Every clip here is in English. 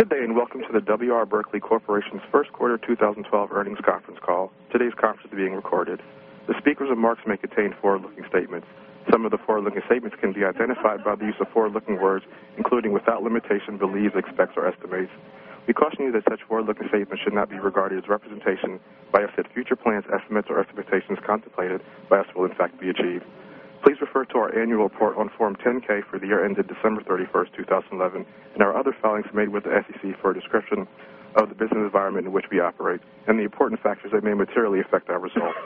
Good day, welcome to the W. R. Berkley Corporation's first quarter 2012 earnings conference call. Today's conference is being recorded. The speakers' remarks may contain forward-looking statements. Some of the forward-looking statements can be identified by the use of forward-looking words, including, without limitation, believes, expects, or estimates. We caution you that such forward-looking statements should not be regarded as representation by us that future plans, estimates, or expectations contemplated by us will in fact be achieved. Please refer to our annual report on Form 10-K for the year ended December 31st, 2011, and our other filings made with the SEC for a description of the business environment in which we operate and the important factors that may materially affect our results.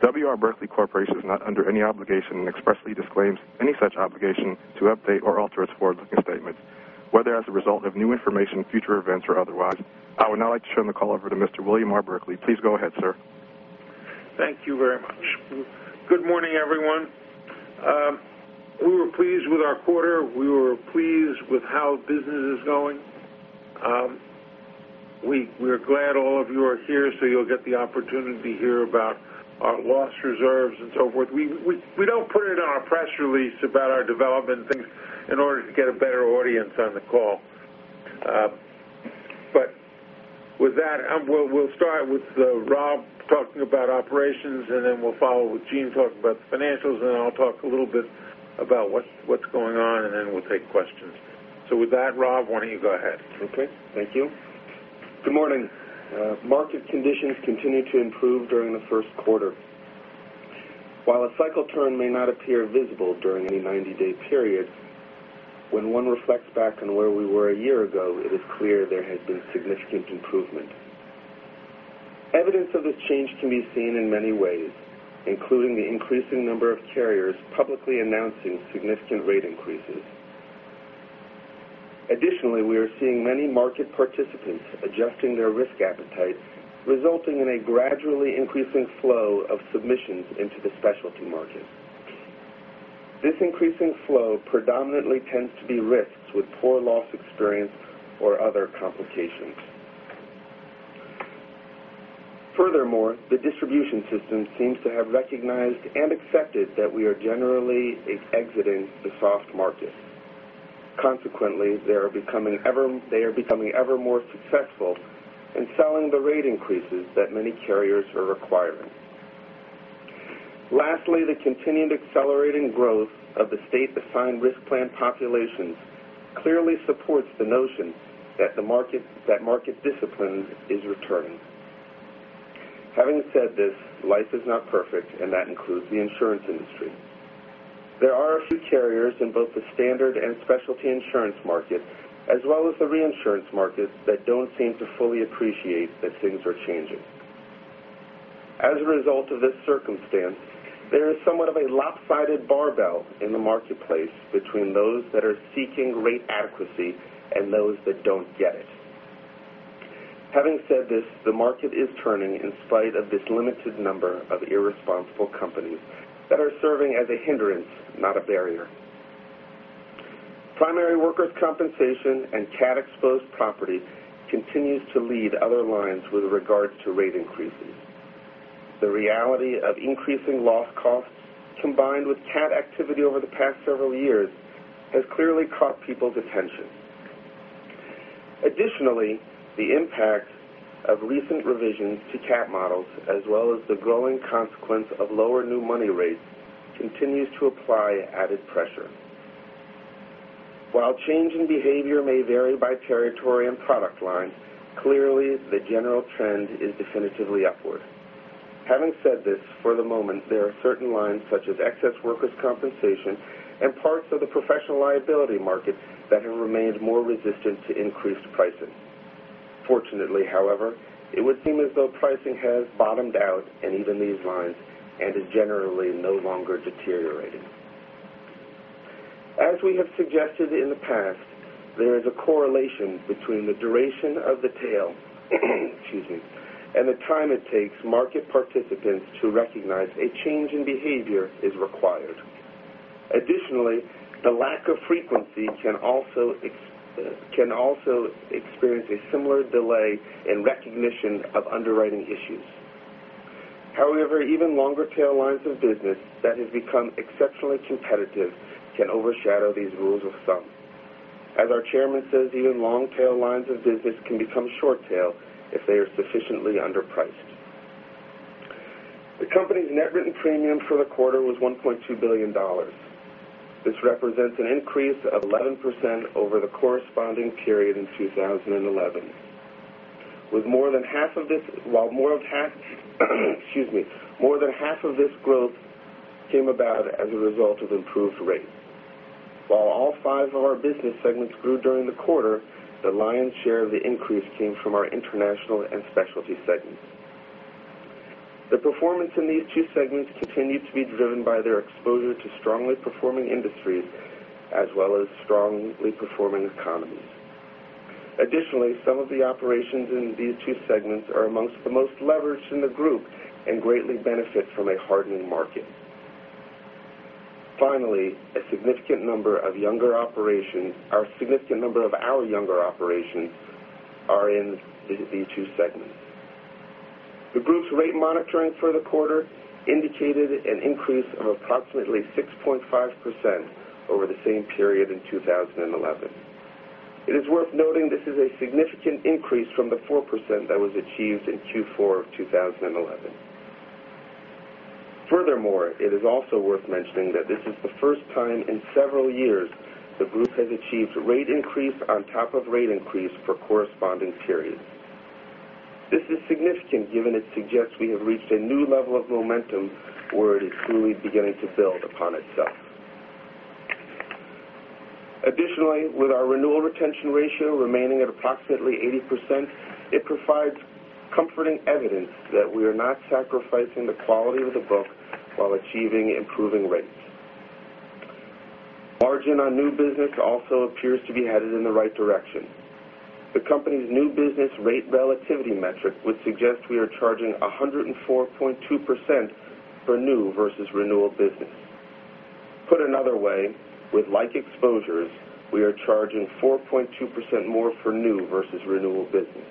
W. R. Berkley Corporation is not under any obligation and expressly disclaims any such obligation to update or alter its forward-looking statements, whether as a result of new information, future events, or otherwise. I would now like to turn the call over to Mr. William R. Berkley. Please go ahead, sir. Thank you very much. Good morning, everyone. We were pleased with our quarter. We were pleased with how business is going. We're glad all of you are here, so you'll get the opportunity to hear about our loss reserves and so forth. We don't put it in our press release about our development things in order to get a better audience on the call. With that, we'll start with Rob talking about operations, and then we'll follow with Gene talking about the financials, and then I'll talk a little bit about what's going on, and then we'll take questions. With that, Rob, why don't you go ahead? Okay. Thank you. Good morning. Market conditions continued to improve during the first quarter. While a cycle turn may not appear visible during any 90-day period, when one reflects back on where we were a year ago, it is clear there has been significant improvement. Evidence of this change can be seen in many ways, including the increasing number of carriers publicly announcing significant rate increases. Additionally, we are seeing many market participants adjusting their risk appetite, resulting in a gradually increasing flow of submissions into the specialty market. This increasing flow predominantly tends to be risks with poor loss experience or other complications. Furthermore, the distribution system seems to have recognized and accepted that we are generally exiting the soft market. Consequently, they are becoming ever more successful in selling the rate increases that many carriers are requiring. Lastly, the continued accelerating growth of the state-assigned risk plan populations clearly supports the notion that market discipline is returning. Having said this, life is not perfect, and that includes the insurance industry. There are a few carriers in both the standard and specialty insurance market, as well as the reinsurance market, that don't seem to fully appreciate that things are changing. As a result of this circumstance, there is somewhat of a lopsided barbell in the marketplace between those that are seeking rate adequacy and those that don't get it. Having said this, the market is turning in spite of this limited number of irresponsible companies that are serving as a hindrance, not a barrier. Primary workers' compensation and CAT-exposed property continues to lead other lines with regard to rate increases. The reality of increasing loss costs, combined with CAT activity over the past several years, has clearly caught people's attention. Additionally, the impact of recent revisions to CAT models, as well as the growing consequence of lower new money rates, continues to apply added pressure. While change in behavior may vary by territory and product line, clearly the general trend is definitively upward. Having said this, for the moment, there are certain lines such as excess workers' compensation and parts of the professional liability market that have remained more resistant to increased pricing. Fortunately, however, it would seem as though pricing has bottomed out in even these lines and is generally no longer deteriorating. As we have suggested in the past, there is a correlation between the duration of the tail and the time it takes market participants to recognize a change in behavior is required. Additionally, the lack of frequency can also experience a similar delay in recognition of underwriting issues. However, even longer-tail lines of business that have become exceptionally competitive can overshadow these rules of thumb. As our Chairman says, even long-tail lines of business can become short tail if they are sufficiently underpriced. The company's net written premium for the quarter was $1.2 billion. This represents an increase of 11% over the corresponding period in 2011. More than half of this growth came about as a result of improved rates. While all five of our business segments grew during the quarter, the lion's share of the increase came from our international and specialty segments. The performance in these two segments continued to be driven by their exposure to strongly performing industries as well as strongly performing economies. Additionally, some of the operations in these two segments are amongst the most leveraged in the group and greatly benefit from a hardening market. Finally, a significant number of our younger operations are in these two segments. The group's rate monitoring for the quarter indicated an increase of approximately 6.5% over the same period in 2011. It is worth noting this is a significant increase from the 4% that was achieved in Q4 of 2011. Furthermore, it is also worth mentioning that this is the first time in several years the group has achieved rate increase on top of rate increase for corresponding periods. This is significant, given it suggests we have reached a new level of momentum where it is truly beginning to build upon itself. Additionally, with our renewal retention ratio remaining at approximately 80%, it provides comforting evidence that we are not sacrificing the quality of the book while achieving improving rates. Margin on new business also appears to be headed in the right direction. The company's new business rate relativity metric would suggest we are charging 104.2% for new versus renewal business. Put another way, with like exposures, we are charging 4.2% more for new versus renewal business.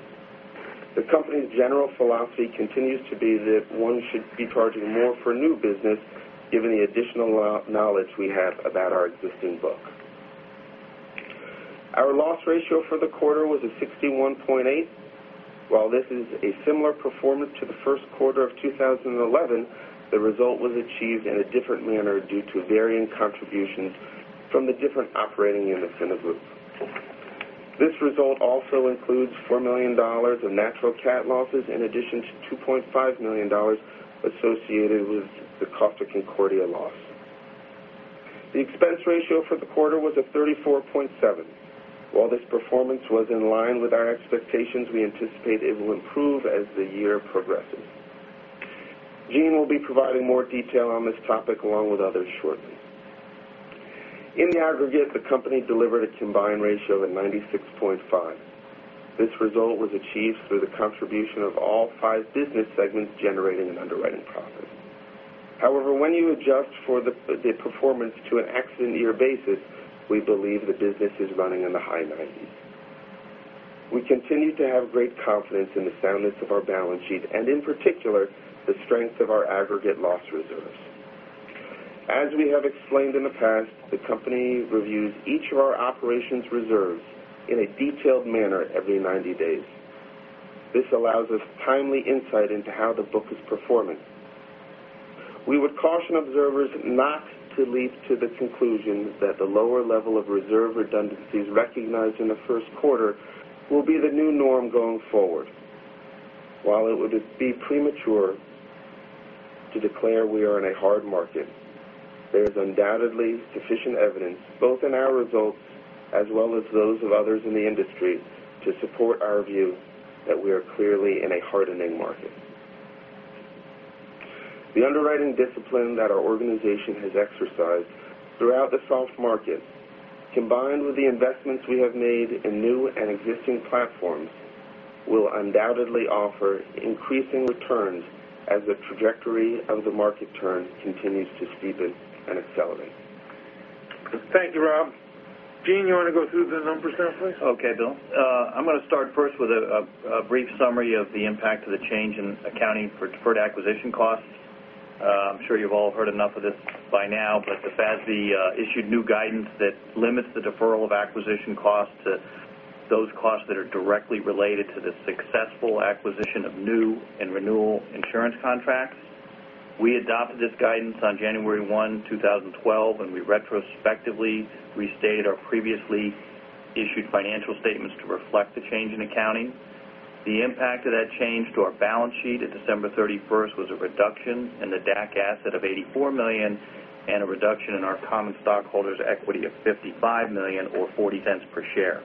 The company's general philosophy continues to be that one should be charging more for new business, given the additional knowledge we have about our existing book. Our loss ratio for the quarter was a 61.8%. While this is a similar performance to the first quarter of 2011, the result was achieved in a different manner due to varying contributions from the different operating units in the group. This result also includes $4 million of natural CAT losses, in addition to $2.5 million associated with the Costa Concordia loss. The expense ratio for the quarter was a 34.7%. While this performance was in line with our expectations, we anticipate it will improve as the year progresses. Gene will be providing more detail on this topic, along with others shortly. In the aggregate, the company delivered a combined ratio of 96.5%. This result was achieved through the contribution of all five business segments generating an underwriting profit. When you adjust for the performance to an accident year basis, we believe the business is running in the high 90s. We continue to have great confidence in the soundness of our balance sheet and, in particular, the strength of our aggregate loss reserves. As we have explained in the past, the company reviews each of our operations reserves in a detailed manner every 90 days. This allows us timely insight into how the book is performing. We would caution observers not to leap to the conclusion that the lower level of reserve redundancies recognized in the first quarter will be the new norm going forward. While it would be premature to declare we are in a hard market, there is undoubtedly sufficient evidence, both in our results as well as those of others in the industry, to support our view that we are clearly in a hardening market. The underwriting discipline that our organization has exercised throughout the soft market, combined with the investments we have made in new and existing platforms, will undoubtedly offer increasing returns as the trajectory of the market turn continues to steepen and accelerate. Thank you, Rob. Gene, you want to go through the numbers now, please? Okay, Bill. I'm going to start first with a brief summary of the impact of the change in accounting for deferred acquisition costs. I'm sure you've all heard enough of this by now, but the FASB issued new guidance that limits the deferral of acquisition costs to those costs that are directly related to the successful acquisition of new and renewal insurance contracts. We adopted this guidance on January 1, 2012, and we retrospectively restated our previously issued financial statements to reflect the change in accounting. The impact of that change to our balance sheet at December 31st was a reduction in the DAC asset of $84 million and a reduction in our common stockholders' equity of $55 million or $0.40 per share.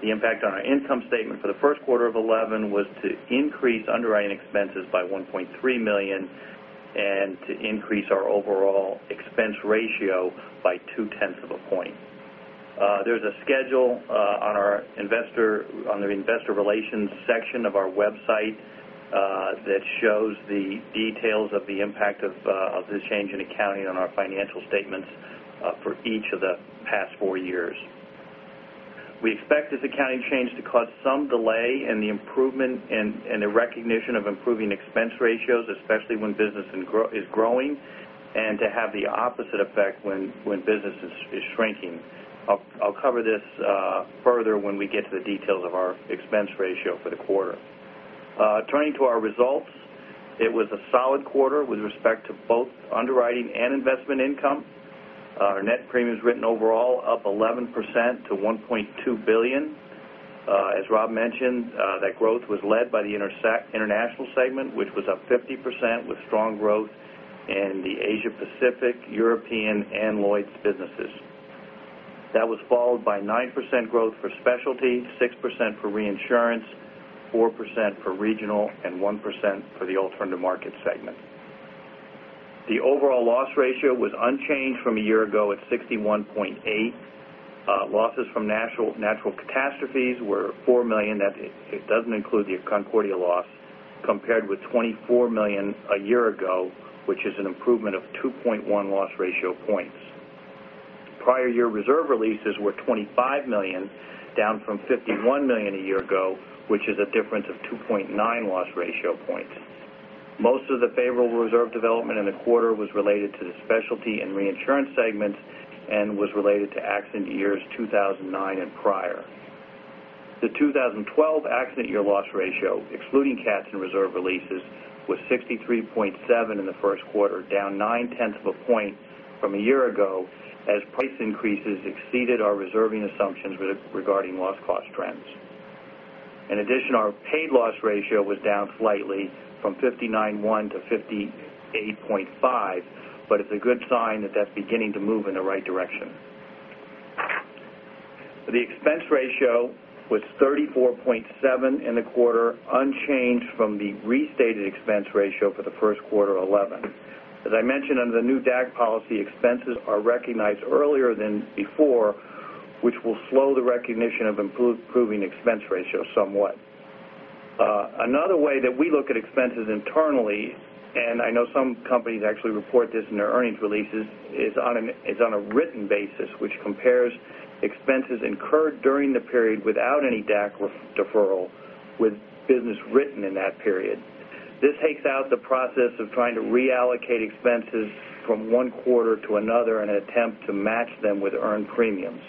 The impact on our income statement for the first quarter of 2011 was to increase underwriting expenses by $1.3 million and to increase our overall expense ratio by 0.2 of a point. There's a schedule on the investor relations section of our website that shows the details of the impact of this change in accounting on our financial statements for each of the past four years. We expect this accounting change to cause some delay in the recognition of improving expense ratios, especially when business is growing, and to have the opposite effect when business is shrinking. I'll cover this further when we get to the details of our expense ratio for the quarter. Turning to our results, it was a solid quarter with respect to both underwriting and investment income. Our net premiums written overall up 11% to $1.2 billion. As Rob mentioned, that growth was led by the international segment, which was up 50% with strong growth in the Asia-Pacific, European, and Lloyd's businesses. That was followed by 9% growth for specialty, 6% for reinsurance, 4% for regional, and 1% for the alternative market segment. The overall loss ratio was unchanged from a year ago at 61.8%. Losses from natural catastrophes were $4 million, it doesn't include the Costa Concordia loss, compared with $24 million a year ago, which is an improvement of 2.1 loss ratio points. Prior year reserve releases were $25 million, down from $51 million a year ago, which is a difference of 2.9 loss ratio points. Most of the favorable reserve development in the quarter was related to the specialty and reinsurance segments and was related to accident years 2009 and prior. The 2012 accident year loss ratio, excluding CATs and reserve releases, was 63.7% in the first quarter, down 0.9 of a point from a year ago, as price increases exceeded our reserving assumptions regarding loss cost trends. In addition, our paid loss ratio was down slightly from 59.1% to 58.5%, but it's a good sign that that's beginning to move in the right direction. The expense ratio was 34.7% in the quarter, unchanged from the restated expense ratio for the first quarter 2011. As I mentioned, under the new DAC policy, expenses are recognized earlier than before, which will slow the recognition of improving expense ratio somewhat. Another way that we look at expenses internally, and I know some companies actually report this in their earnings releases, is on a written basis, which compares expenses incurred during the period without any DAC deferral with business written in that period. This takes out the process of trying to reallocate expenses from one quarter to another in an attempt to match them with earned premiums.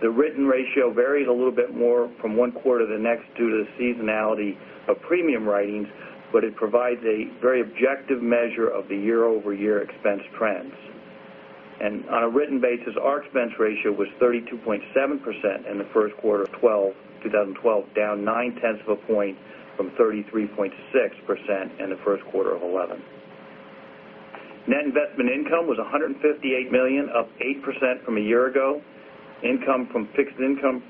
The written ratio varies a little bit more from one quarter to the next due to the seasonality of premium writings, but it provides a very objective measure of the year-over-year expense trends. On a written basis, our expense ratio was 32.7% in the first quarter of 2012, down nine-tenths of a point from 33.6% in the first quarter of 2011. Net investment income was $158 million, up 8% from a year ago. Income from fixed income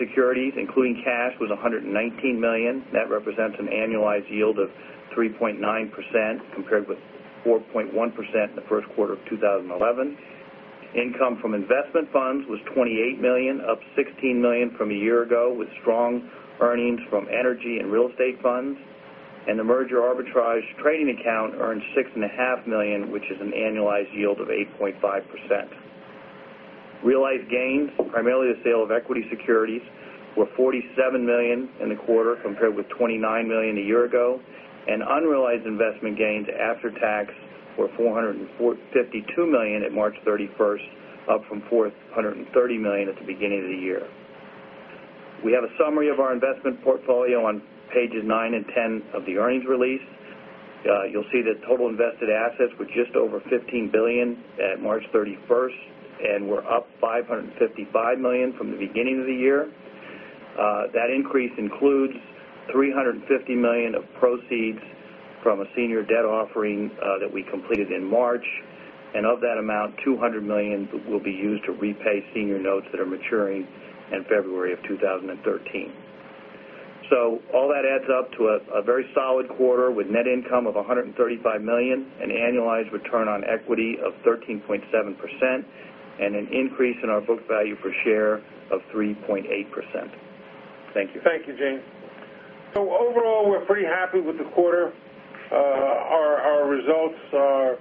securities, including cash, was $119 million. That represents an annualized yield of 3.9%, compared with 4.1% in the first quarter of 2011. Income from investment funds was $28 million, up $16 million from a year ago, with strong earnings from energy and real estate funds. The merger arbitrage trading account earned $6.5 million, which is an annualized yield of 8.5%. Realized gains, primarily the sale of equity securities, were $47 million in the quarter, compared with $29 million a year ago. Unrealized investment gains after tax were $452 million at March 31st, up from $430 million at the beginning of the year. We have a summary of our investment portfolio on pages nine and 10 of the earnings release. You'll see that total invested assets were just over $15 billion at March 31st, were up $555 million from the beginning of the year. That increase includes $350 million of proceeds from a senior debt offering that we completed in March. Of that amount, $200 million will be used to repay senior notes that are maturing in February of 2013. All that adds up to a very solid quarter with net income of $135 million, an annualized return on equity of 13.7%, and an increase in our book value per share of 3.8%. Thank you. Thank you, Gene. Overall, we're pretty happy with the quarter. Our results are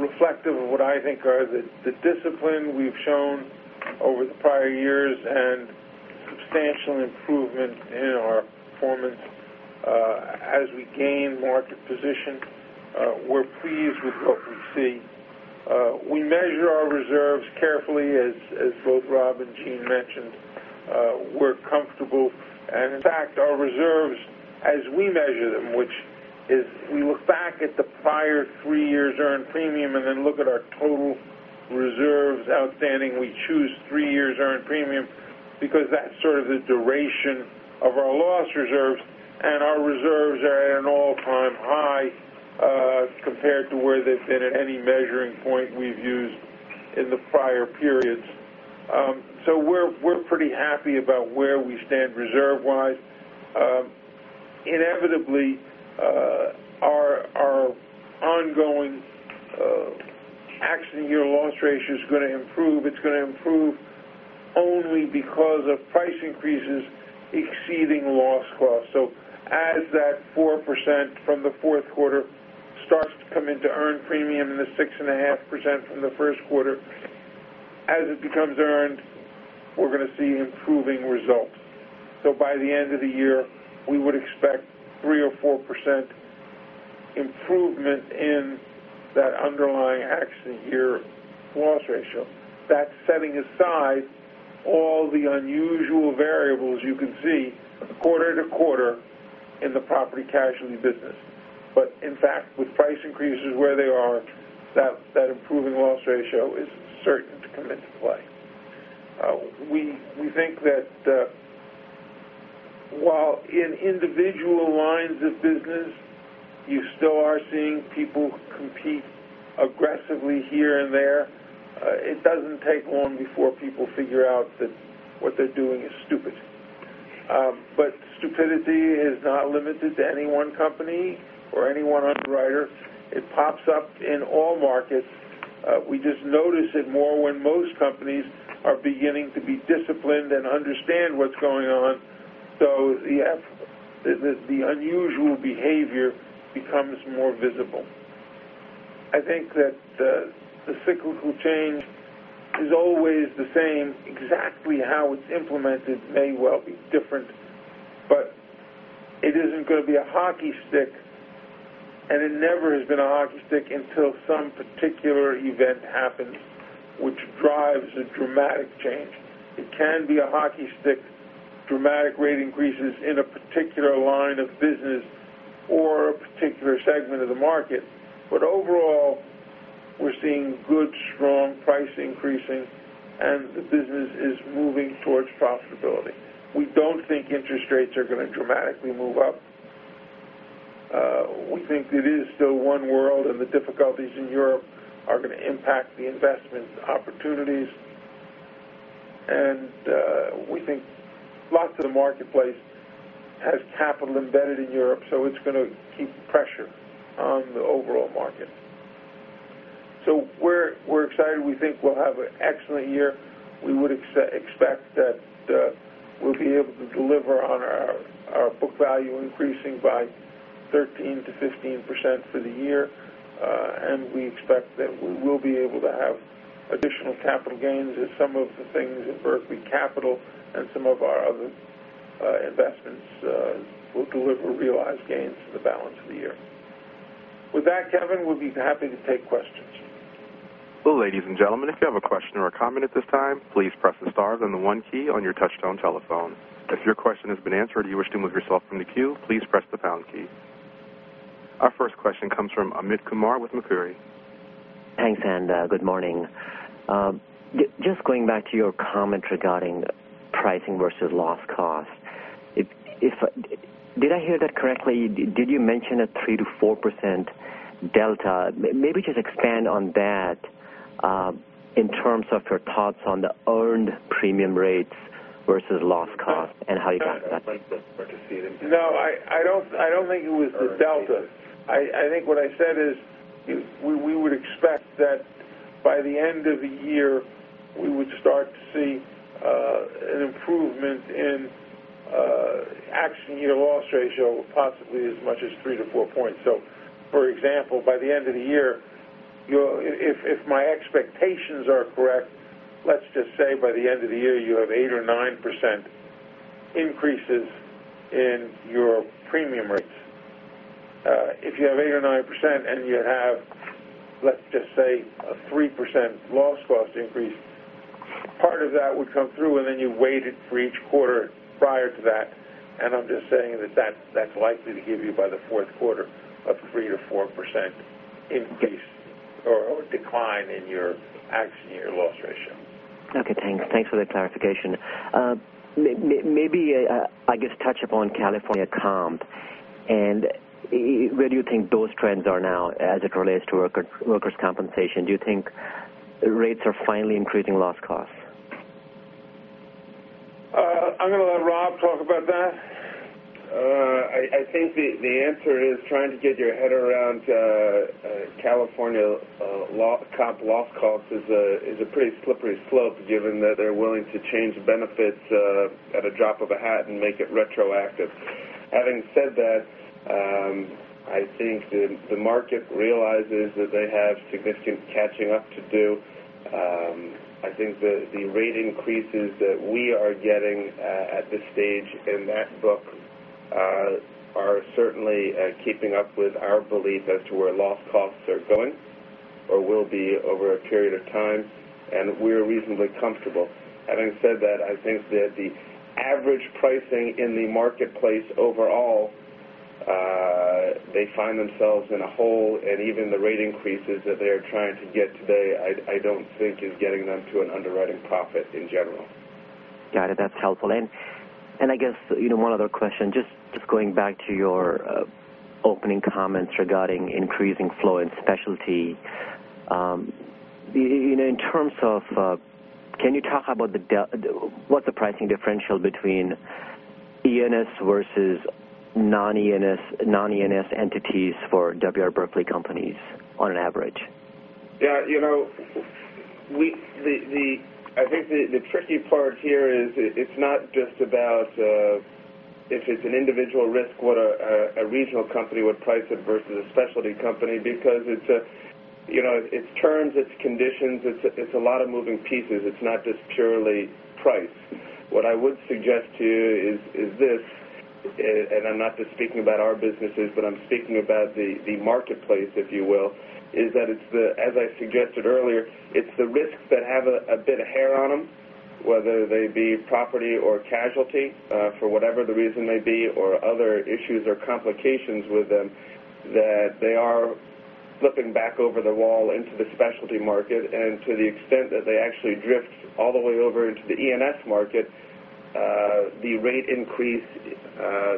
reflective of what I think are the discipline we've shown over the prior years and substantial improvement in our performance as we gain market position. We're pleased with what we see. We measure our reserves carefully, as both Rob and Gene mentioned. We're comfortable. In fact, our reserves, as we measure them, which is we look back at the prior three years' earned premium and then look at our total reserves outstanding. We choose three years' earned premium because that's sort of the duration of our loss reserves, and our reserves are at an all-time high compared to where they've been at any measuring point we've used in the prior periods. We're pretty happy about where we stand reserve-wise. Inevitably, our ongoing accident year loss ratio is going to improve. It's going to improve only because of price increases exceeding loss cost. As that 4% from the fourth quarter starts to come into earned premium and the 6.5% from the first quarter, as it becomes earned, we're going to see improving results. By the end of the year, we would expect 3% or 4% improvement in that underlying accident year loss ratio. That's setting aside all the unusual variables you can see quarter to quarter in the property casualty business. In fact, with price increases where they are, that improving loss ratio is certain to come into play. We think that while in individual lines of business, you still are seeing people compete aggressively here and there, it doesn't take long before people figure out that what they're doing is stupid. Stupidity is not limited to any one company or any one underwriter. It pops up in all markets. We just notice it more when most companies are beginning to be disciplined and understand what's going on. The unusual behavior becomes more visible. I think that the cyclical change is always the same. Exactly how it's implemented may well be different, but it isn't going to be a hockey stick, and it never has been a hockey stick until some particular event happens, which drives a dramatic change. It can be a hockey stick, dramatic rate increases in a particular line of business or a particular segment of the market. Overall, we're seeing good, strong pricing increasing, and the business is moving towards profitability. We don't think interest rates are going to dramatically move up. We think it is still one world, and the difficulties in Europe are going to impact the investment opportunities. We think lots of the marketplace has capital embedded in Europe, so it's going to keep pressure on the overall market. We're excited. We think we'll have an excellent year. We would expect that we'll be able to deliver on our book value increasing by 13%-15% for the year. We expect that we will be able to have additional capital gains as some of the things at Berkley Capital and some of our other investments will deliver realized gains for the balance of the year. With that, Kevin, we'll be happy to take questions. Well, ladies and gentlemen, if you have a question or a comment at this time, please press the star then the one key on your touch-tone telephone. If your question has been answered or you wish to remove yourself from the queue, please press the pound key. Our first question comes from Amit Kumar with Macquarie. Thanks, and good morning. Just going back to your comment regarding pricing versus loss cost. Did I hear that correctly? Did you mention a 3%-4% delta? Maybe just expand on that, in terms of your thoughts on the earned premium rates versus loss cost and how you got that. No, I don't think it was the delta. I think what I said is, we would expect that by the end of the year, we would start to see an improvement in actual year loss ratio, possibly as much as three to four points. For example, by the end of the year, if my expectations are correct, let's just say by the end of the year, you have 8% or 9% increases in your premium rates. If you have 8% or 9% and you have, let's just say, a 3% loss cost increase, part of that would come through, and then you weight it for each quarter prior to that. I'm just saying that that's likely to give you, by the fourth quarter, a 3%-4% increase or decline in your actual year loss ratio. Okay, thanks. Thanks for the clarification. Maybe, I guess, touch upon California comp. Where do you think those trends are now as it relates to workers' compensation? Do you think rates are finally increasing loss costs? I'm going to let Rob talk about that. I think the answer is trying to get your head around California comp loss costs is a pretty slippery slope, given that they're willing to change benefits at a drop of a hat and make it retroactive. Having said that, I think the market realizes that they have significant catching up to do. I think the rate increases that we are getting at this stage in that book are certainly keeping up with our belief as to where loss costs are going or will be over a period of time, and we're reasonably comfortable. Having said that, I think that the average pricing in the marketplace overall, they find themselves in a hole, and even the rate increases that they are trying to get today, I don't think is getting them to an underwriting profit in general. Got it. That's helpful. I guess one other question, just going back to your opening comments regarding increasing flow in specialty. Can you talk about what the pricing differential between E&S versus non-E&S entities for W. R. Berkley companies on average? Yeah. I think the tricky part here is it's not just about if it's an individual risk, what a regional company would price it versus a specialty company, because it's terms, it's conditions, it's a lot of moving pieces. It's not just purely price. What I would suggest to you is this, I'm not just speaking about our businesses, but I'm speaking about the marketplace, if you will, is that, as I suggested earlier, it's the risks that have a bit of hair on them, whether they be property or casualty, for whatever the reason may be, or other issues or complications with them, that they are flipping back over the wall into the specialty market. To the extent that they actually drift all the way over into the E&S market, the rate increase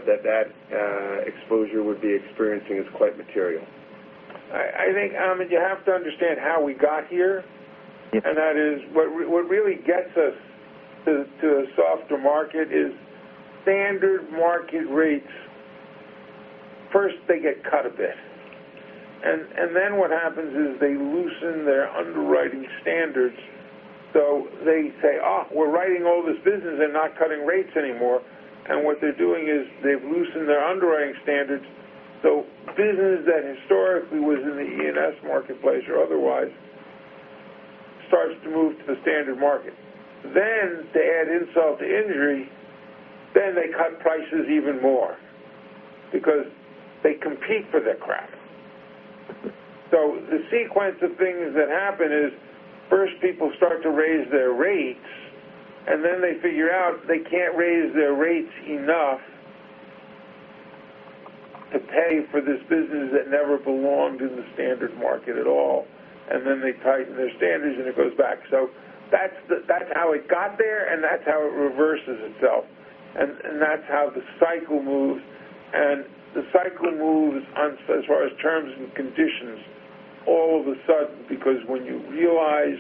that exposure would be experiencing is quite material. I think, Amit, you have to understand how we got here. Yes. That is, what really gets us to a softer market is standard market rates. First, they get cut a bit. What happens is they loosen their underwriting standards. They say, "We're writing all this business and not cutting rates anymore." What they're doing is they've loosened their underwriting standards, so business that historically was in the E&S marketplace or otherwise, starts to move to the standard market. To add insult to injury, they cut prices even more because they compete for that crap. The sequence of things that happen is, first people start to raise their rates, then they figure out they can't raise their rates enough to pay for this business that never belonged in the standard market at all. They tighten their standards, and it goes back. That's how it got there, and that's how it reverses itself. That's how the cycle moves. The cycle moves as far as terms and conditions all of a sudden, because when you realize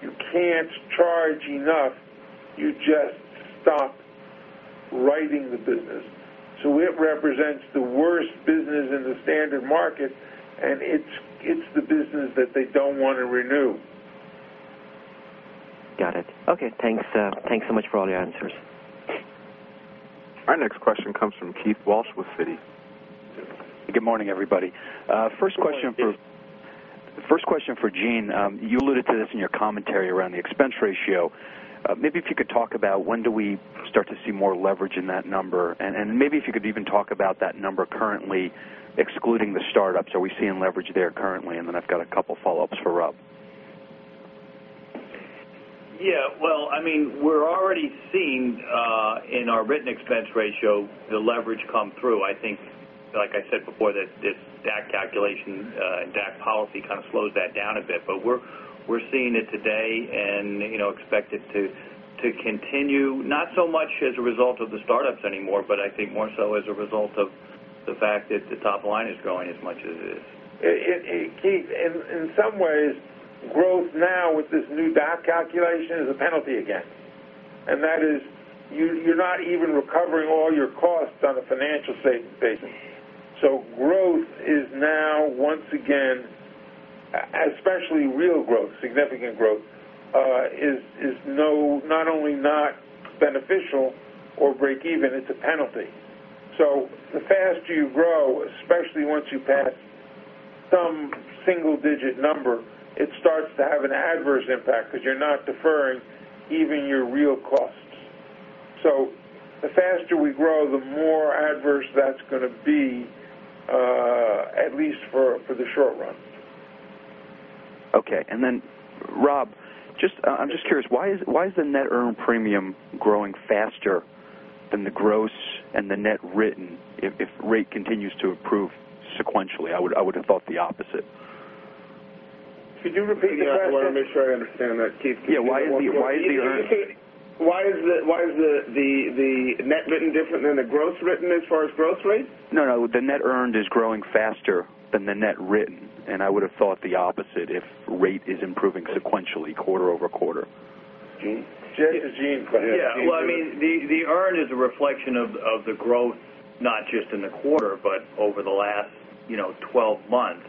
you can't charge enough, you just stop writing the business. It represents the worst business in the standard market, and it's the business that they don't want to renew. Got it. Okay, thanks so much for all your answers. Our next question comes from Keith Walsh with Citi. Good morning, everybody. First question for Gene. You alluded to this in your commentary around the expense ratio. Maybe if you could talk about when do we start to see more leverage in that number? Maybe if you could even talk about that number currently excluding the startups. Are we seeing leverage there currently? I've got a couple of follow-ups for Rob. Yeah. Well, we're already seeing, in our written expense ratio, the leverage come through. I think, like I said before, that this DAC calculation and DAC policy kind of slows that down a bit. We're seeing it today and expect it to continue, not so much as a result of the startups anymore, but I think more so as a result of the fact that the top line is growing as much as it is. Keith, in some ways, growth now with this new DAC calculation is a penalty again. That is, you're not even recovering all your costs on a financial basis. Growth is now once again, especially real growth, significant growth, is not only not beneficial or breakeven, it's a penalty. The faster you grow, especially once you pass some single-digit number, it starts to have an adverse impact because you're not deferring even your real costs. The faster we grow, the more adverse that's going to be, at least for the short run. Okay. Rob, I'm just curious, why is the net earned premium growing faster than the gross and the net written if rate continues to improve sequentially? I would have thought the opposite. Could you repeat the question? I want to make sure I understand that, Keith. Yeah, why is the earned- Why is the net written different than the gross written as far as growth rate? No, the net earned is growing faster than the net written, and I would have thought the opposite if rate is improving sequentially quarter-over-quarter. Gene? Gene, go ahead. Yeah. The earned is a reflection of the growth, not just in the quarter, but over the last 12 months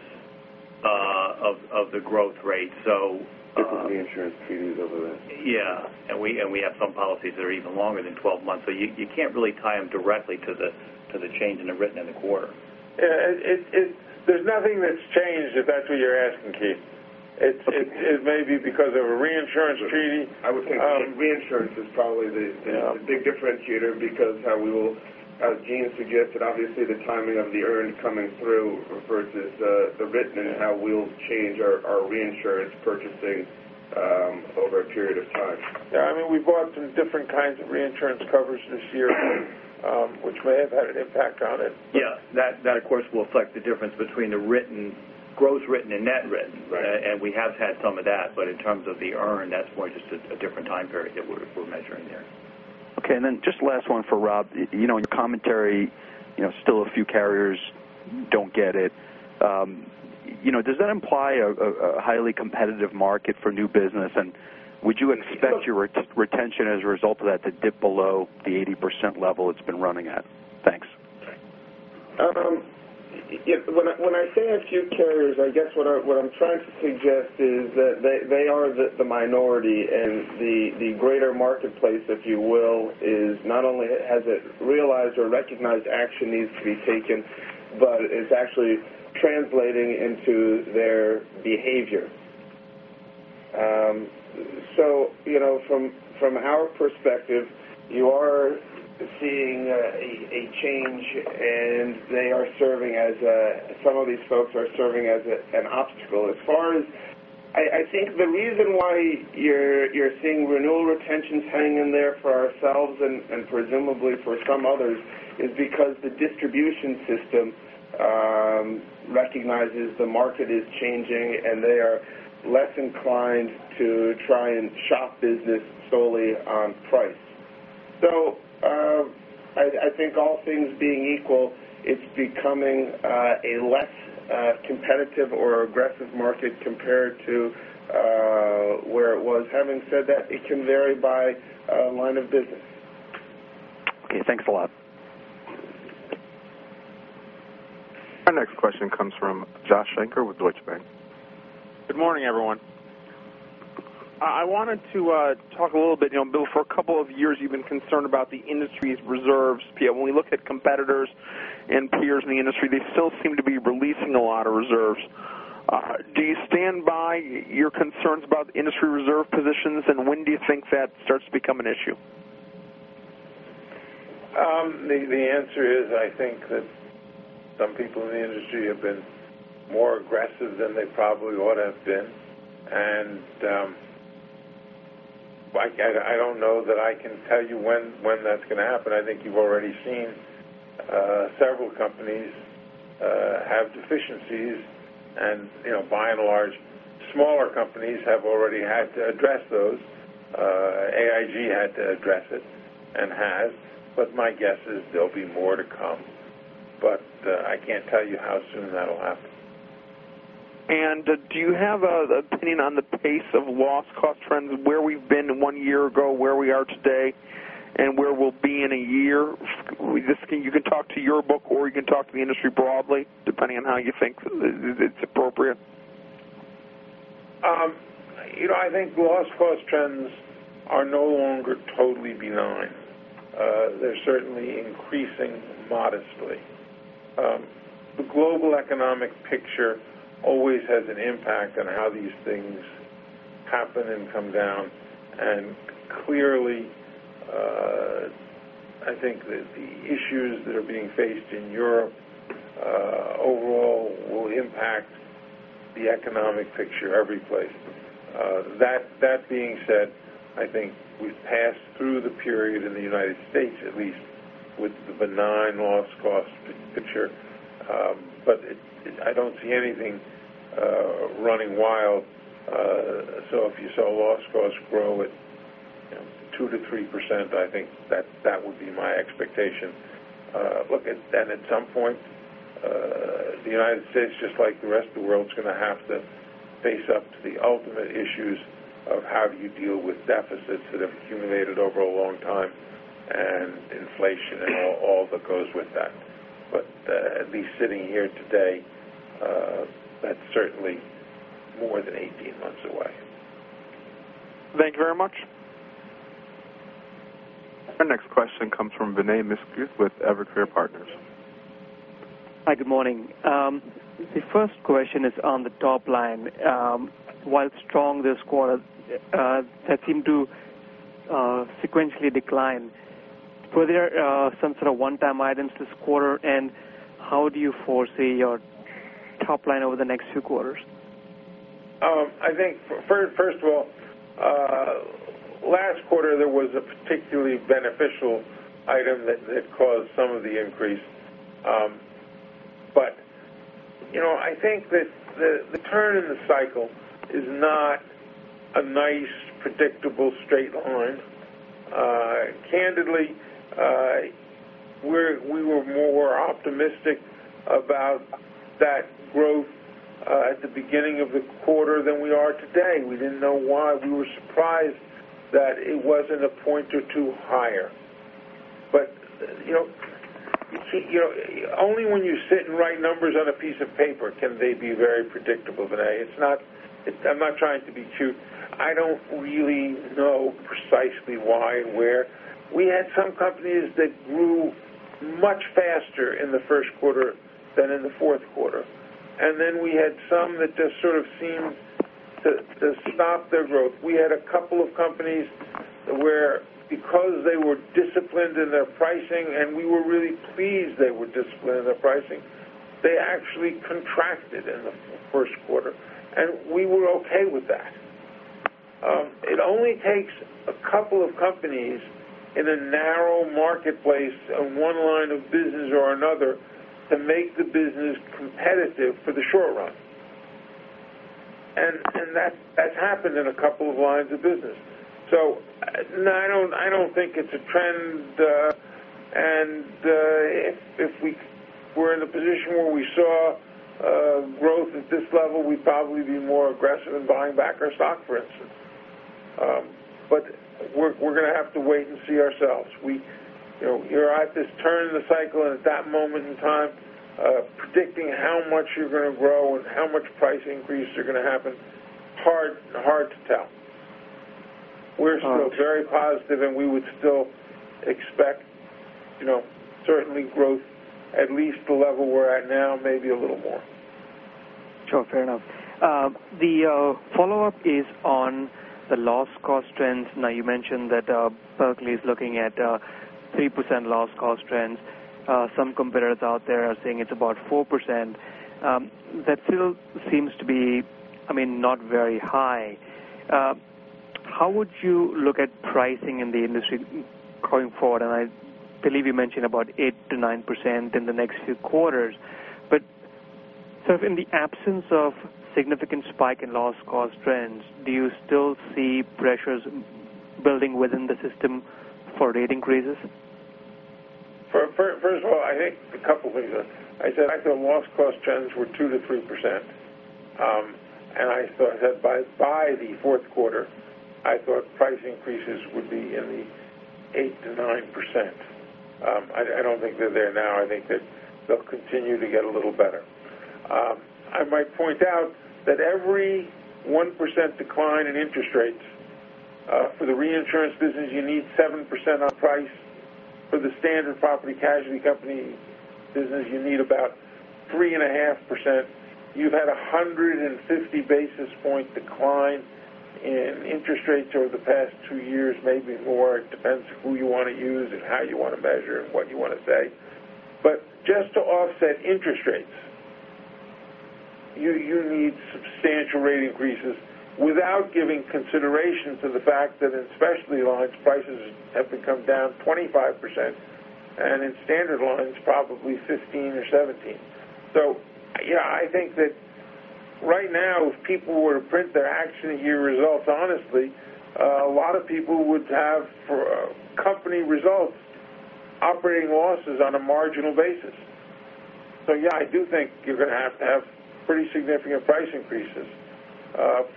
of the growth rate. This is the insurance treaties over the last. We have some policies that are even longer than 12 months. You can't really tie them directly to the change in the written in the quarter. There's nothing that's changed, if that's what you're asking, Keith. It may be because of a reinsurance treaty. I would think reinsurance is probably the big differentiator because how we will, as Gene suggested, obviously the timing of the earned coming through versus the written and how we'll change our reinsurance purchasing over a period of time. We bought some different kinds of reinsurance coverage this year, which may have had an impact on it. Yeah. That, of course, will affect the difference between the gross written and net written. Right. We have had some of that. In terms of the earned, that's more just a different time period that we're measuring there. Okay. Just last one for Rob. In your commentary, still a few carriers don't get it. Does that imply a highly competitive market for new business? Would you expect your retention as a result of that to dip below the 80% level it's been running at? Thanks. When I say a few carriers, I guess what I'm trying to suggest is that they are the minority and the greater marketplace, if you will, not only hasn't realized or recognized action needs to be taken, but it's actually translating into their behavior. From our perspective, you are seeing a change and some of these folks are serving as an obstacle. I think the reason why you're seeing renewal retentions hanging in there for ourselves and presumably for some others is because the distribution system recognizes the market is changing, and they are less inclined to try and shop business solely on price. I think all things being equal, it's becoming a less competitive or aggressive market compared to where it was. Having said that, it can vary by line of business. Okay, thanks a lot. Our next question comes from Joshua Shanker with Deutsche Bank. Good morning, everyone. I wanted to talk a little bit, Bill, for a couple of years you've been concerned about the industry's reserves. When we look at competitors and peers in the industry, they still seem to be releasing a lot of reserves. Do you stand by your concerns about the industry reserve positions, and when do you think that starts to become an issue? The answer is, I think that some people in the industry have been more aggressive than they probably ought to have been. I don't know that I can tell you when that's going to happen. I think you've already seen several companies have deficiencies and by and large, smaller companies have already had to address those. AIG had to address it and has, My guess is there'll be more to come. I can't tell you how soon that'll happen. Do you have an opinion on the pace of loss cost trends, where we've been one year ago, where we are today, and where we'll be in a year? You can talk to your book or you can talk to the industry broadly, depending on how you think it's appropriate. I think loss cost trends are no longer totally benign. They're certainly increasing modestly. The global economic picture always has an impact on how these things happen and come down, and clearly, I think that the issues that are being faced in Europe, overall, will impact the economic picture every place. That being said, I think we've passed through the period in the United States, at least, with the benign loss cost picture. I don't see anything running wild. If you saw loss costs grow at 2%-3%, I think that would be my expectation. Look, and at some point the United States, just like the rest of the world, is going to have to face up to the ultimate issues of how do you deal with deficits that have accumulated over a long time and inflation and all that goes with that. At least sitting here today, that's certainly more than 18 months away. Thank you very much. Our next question comes from Vinay Misquith with Evercore Partners. Hi, good morning. The first question is on the top line. While strong this quarter, that seemed to sequentially decline. Were there some sort of one-time items this quarter, and how do you foresee your top line over the next two quarters? I think, first of all, last quarter, there was a particularly beneficial item that caused some of the increase. I think that the turn in the cycle is not a nice, predictable straight line. Candidly, we were more optimistic about that growth at the beginning of the quarter than we are today. We didn't know why. We were surprised that it wasn't a point or two higher. Only when you sit and write numbers on a piece of paper can they be very predictable, Vinay. I'm not trying to be cute. I don't really know precisely why and where. We had some companies that grew much faster in the first quarter than in the fourth quarter. Then we had some that just sort of seemed to stop their growth. We had a couple of companies where because they were disciplined in their pricing and we were really pleased they were disciplined in their pricing, they actually contracted in the first quarter, and we were okay with that. It only takes a couple of companies in a narrow marketplace on one line of business or another to make the business competitive for the short run. That's happened in a couple of lines of business. I don't think it's a trend, and if we were in a position where we saw growth at this level, we'd probably be more aggressive in buying back our stock, for instance. We're going to have to wait and see ourselves. You're at this turn in the cycle and at that moment in time, predicting how much you're going to grow and how much price increase are going to happen, hard to tell. We're still very positive, and we would still expect certainly growth at least the level we're at now, maybe a little more. Sure, fair enough. The follow-up is on the loss cost trends. You mentioned that Berkley is looking at a 3% loss cost trend. Some competitors out there are saying it's about 4%. That still seems to be not very high. How would you look at pricing in the industry going forward? I believe you mentioned about 8%-9% in the next two quarters. Sort of in the absence of significant spike in loss cost trends, do you still see pressures building within the system for rate increases? First of all, I think a couple things. I said I thought loss cost trends were 2%-3%, and I thought that by the fourth quarter, I thought price increases would be in the 8%-9%. I don't think they're there now. I think that they'll continue to get a little better. I might point out that every 1% decline in interest rates, for the reinsurance business, you need 7% on price. For the standard property casualty company business, you need about 3.5%. You've had 150 basis point decline in interest rates over the past two years, maybe more. It depends on who you want to use and how you want to measure and what you want to say. Just to offset interest rates, you need substantial rate increases without giving consideration to the fact that in specialty lines, prices have to come down 25%, and in standard lines, probably 15% or 17%. Yeah, I think that right now, if people were to print their actual year results honestly, a lot of people would have, for company results, operating losses on a marginal basis. Yeah, I do think you're going to have to have pretty significant price increases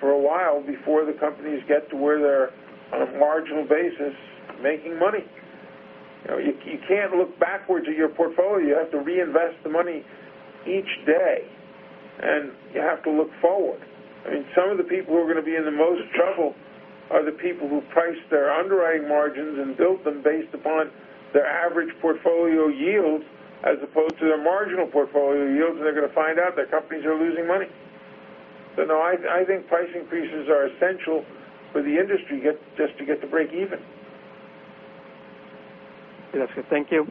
for a while before the companies get to where they're, on a marginal basis, making money. You can't look backwards at your portfolio. You have to reinvest the money each day, and you have to look forward. Some of the people who are going to be in the most trouble are the people who priced their underwriting margins and built them based upon their average portfolio yield as opposed to their marginal portfolio yield, and they're going to find out that companies are losing money. No, I think price increases are essential for the industry just to get to break even. Okay, that's good. Thank you.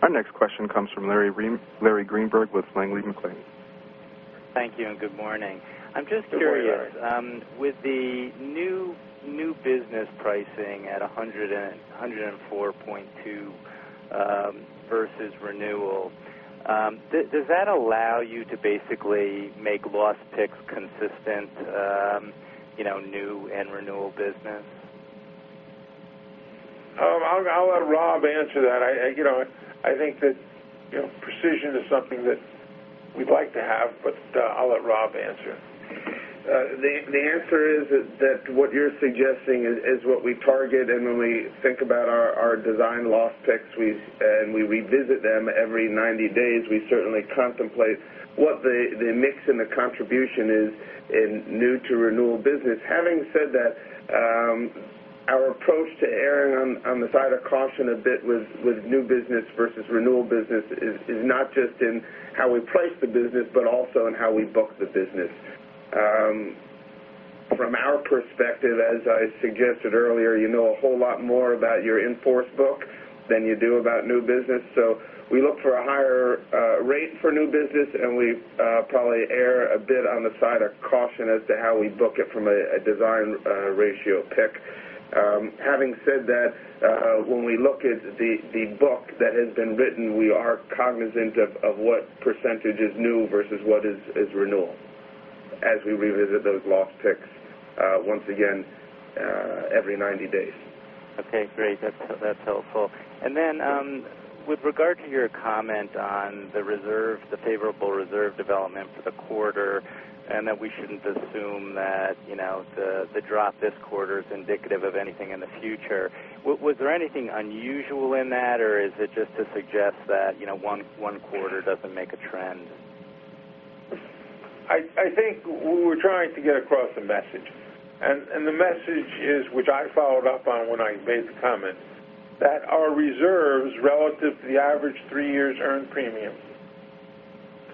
Our next question comes from with Larry Greenberg with Janney Montgomery Scott. Thank you and good morning. I'm just curious, with the new business pricing at 104.2 versus renewal, does that allow you to basically make loss picks consistent new and renewal business? I'll let Rob answer that. I think that precision is something that we'd like to have, but I'll let Rob answer. The answer is that what you're suggesting is what we target. When we think about our design loss picks, and we revisit them every 90 days, we certainly contemplate what the mix and the contribution is in new to renewal business. Having said that, our approach to erring on the side of caution a bit with new business versus renewal business is not just in how we price the business, but also in how we book the business. From our perspective, as I suggested earlier, you know a whole lot more about your in-force book than you do about new business. We look for a higher rate for new business, and we probably err a bit on the side of caution as to how we book it from a design ratio pick. Having said that, when we look at the book that has been written, we are cognizant of what percentage is new versus what is renewal as we revisit those loss picks, once again, every 90 days. Okay, great. That's helpful. Then, with regard to your comment on the favorable reserve development for the quarter, that we shouldn't assume that the drop this quarter is indicative of anything in the future, was there anything unusual in that, or is it just to suggest that one quarter doesn't make a trend? I think we're trying to get across a message, and the message is, which I followed up on when I made the comment, that our reserves relative to the average three years' earned premium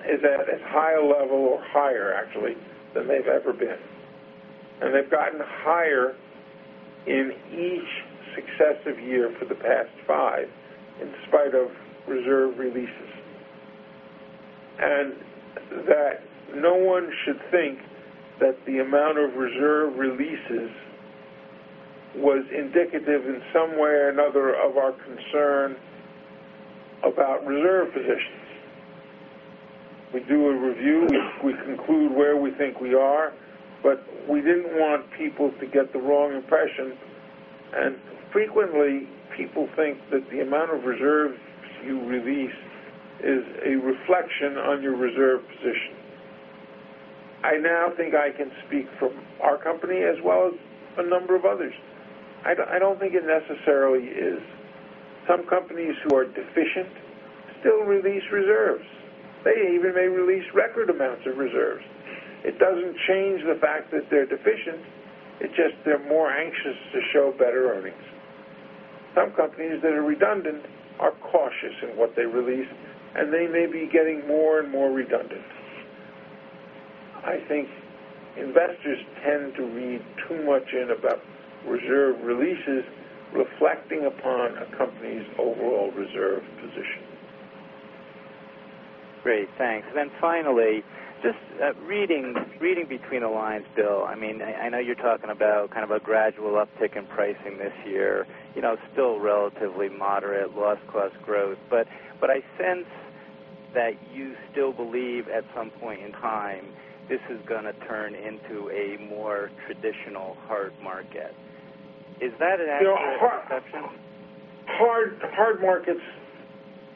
is at as high a level or higher actually than they've ever been. They've gotten higher in each successive year for the past five, in spite of reserve releases. No one should think that the amount of reserve releases was indicative in some way or another of our concern about reserve positions. We do a review, we conclude where we think we are, but we didn't want people to get the wrong impression. Frequently, people think that the amount of reserves you release is a reflection on your reserve position. I now think I can speak for our company as well as a number of others. I don't think it necessarily is. Some companies who are deficient still release reserves. They even may release record amounts of reserves. It doesn't change the fact that they're deficient, it's just they're more anxious to show better earnings. Some companies that are redundant are cautious in what they release, and they may be getting more and more redundant. I think investors tend to read too much in about reserve releases reflecting upon a company's overall reserve position. Great. Thanks. Finally, just reading between the lines, Bill, I know you're talking about kind of a gradual uptick in pricing this year. It's still relatively moderate loss cost growth. I sense that you still believe at some point in time, this is going to turn into a more traditional hard market. Is that an accurate perception? Hard markets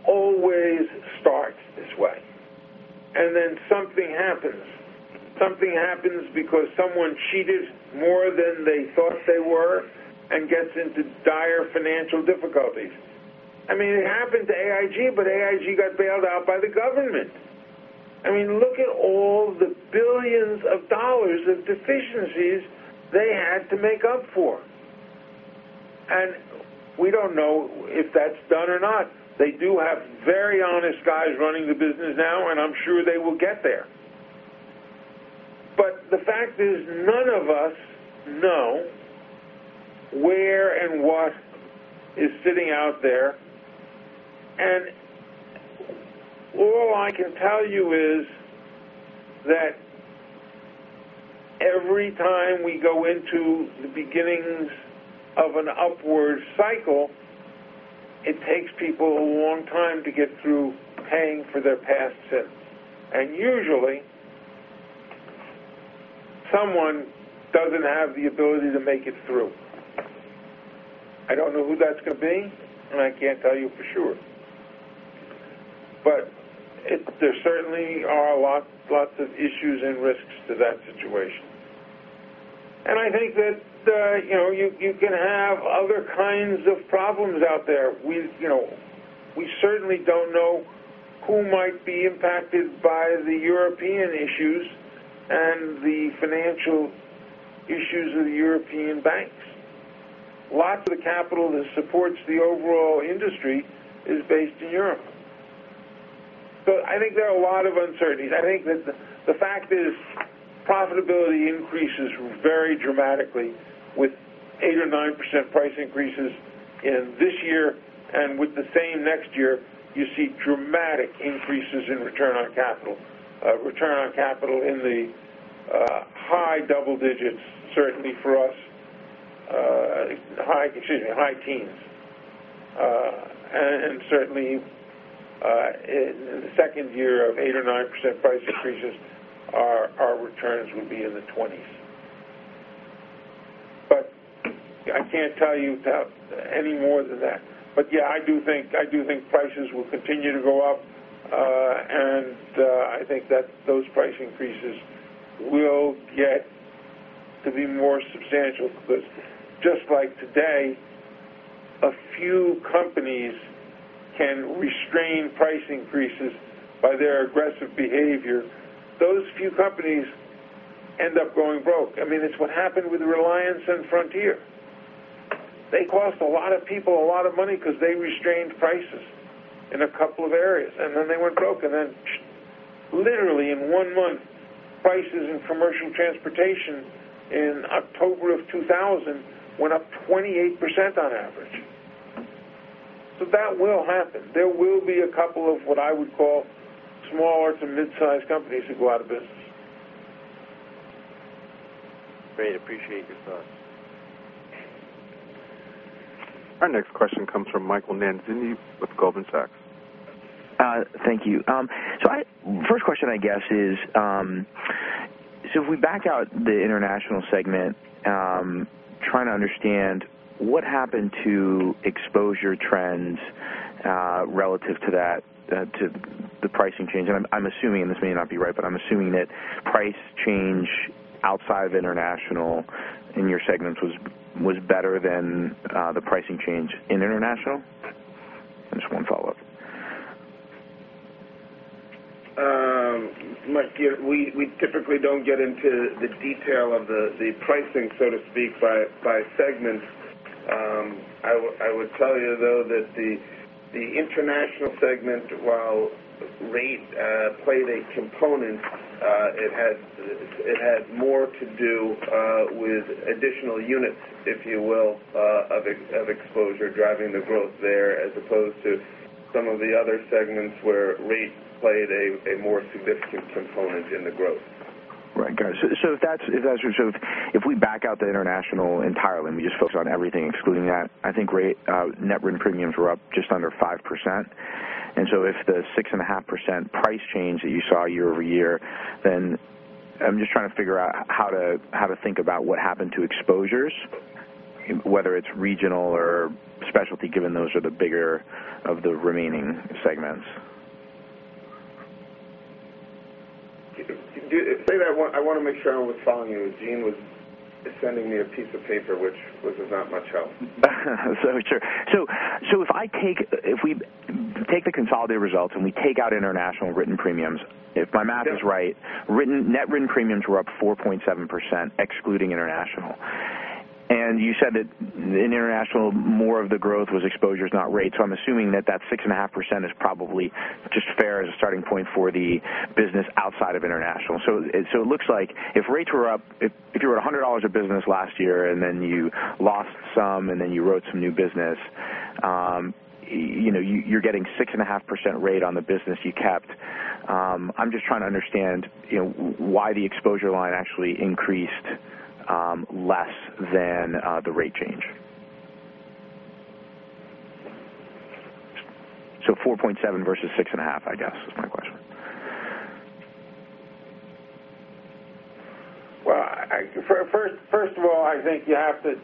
always start this way, then something happens. Something happens because someone cheated more than they thought they were and gets into dire financial difficulties. It happened to AIG, but AIG got bailed out by the government. Look at all the billions of dollars of deficiencies they had to make up for, and we don't know if that's done or not. They do have very honest guys running the business now, and I'm sure they will get there. The fact is, none of us know where and what is sitting out there, and all I can tell you is that every time we go into the beginnings of an upward cycle, it takes people a long time to get through paying for their past sins. Usually, someone doesn't have the ability to make it through. I don't know who that's going to be, I can't tell you for sure, but there certainly are lots of issues and risks to that situation. I think that you can have other kinds of problems out there. We certainly don't know who might be impacted by the European issues and the financial issues of the European banks. Lots of the capital that supports the overall industry is based in Europe. I think there are a lot of uncertainties. I think that the fact is profitability increases very dramatically with 8% or 9% price increases in this year, and with the same next year, you see dramatic increases in return on capital. Return on capital in the high double digits, certainly for us. Excuse me, high teens. Certainly, in the second year of 8% or 9% price increases, our returns would be in the 20s. I can't tell you about any more than that. Yeah, I do think prices will continue to go up, and I think that those price increases will get to be more substantial because just like today, a few companies can restrain price increases by their aggressive behavior. Those few companies end up going broke. It's what happened with Reliance and Frontier. They cost a lot of people a lot of money because they restrained prices in a couple of areas, and then they went broke, and then literally in one month, prices in commercial transportation in October of 2000 went up 28% on average. That will happen. There will be a couple of, what I would call, small, large, and mid-size companies that go out of business. Great. Appreciate your thoughts. Our next question comes from Michael Nannizzi with Goldman Sachs. Thank you. If we back out the international segment, trying to understand what happened to exposure trends relative to the pricing change. I'm assuming, and this may not be right, but I'm assuming that price change outside of international in your segments was better than the pricing change in international. Just one follow-up. Mike, we typically don't get into the detail of the pricing, so to speak, by segment. I would tell you, though, that the international segment, while rate played a component, it had more to do with additional units, if you will, of exposure driving the growth there, as opposed to some of the other segments where rates played a more significant component in the growth. Right. Got it. If we back out the international entirely and we just focus on everything excluding that, I think net written premiums were up just under 5%. If the 6.5% price change that you saw year-over-year, then I'm just trying to figure out how to think about what happened to exposures, whether it's regional or specialty, given those are the bigger of the remaining segments. I want to make sure I was following you. Gene was sending me a piece of paper, which was of not much help. Sure. If we take the consolidated results and we take out international written premiums. If my math is right, net written premiums were up 4.7%, excluding international. You said that in international, more of the growth was exposures, not rates. I'm assuming that 6.5% is probably just fair as a starting point for the business outside of international. It looks like if you were $100 of business last year, and then you lost some, and then you wrote some new business, you're getting 6.5% rate on the business you kept. I'm just trying to understand why the exposure line actually increased less than the rate change. 4.7 versus 6.5, I guess is my question. Well, first of all, I think you have to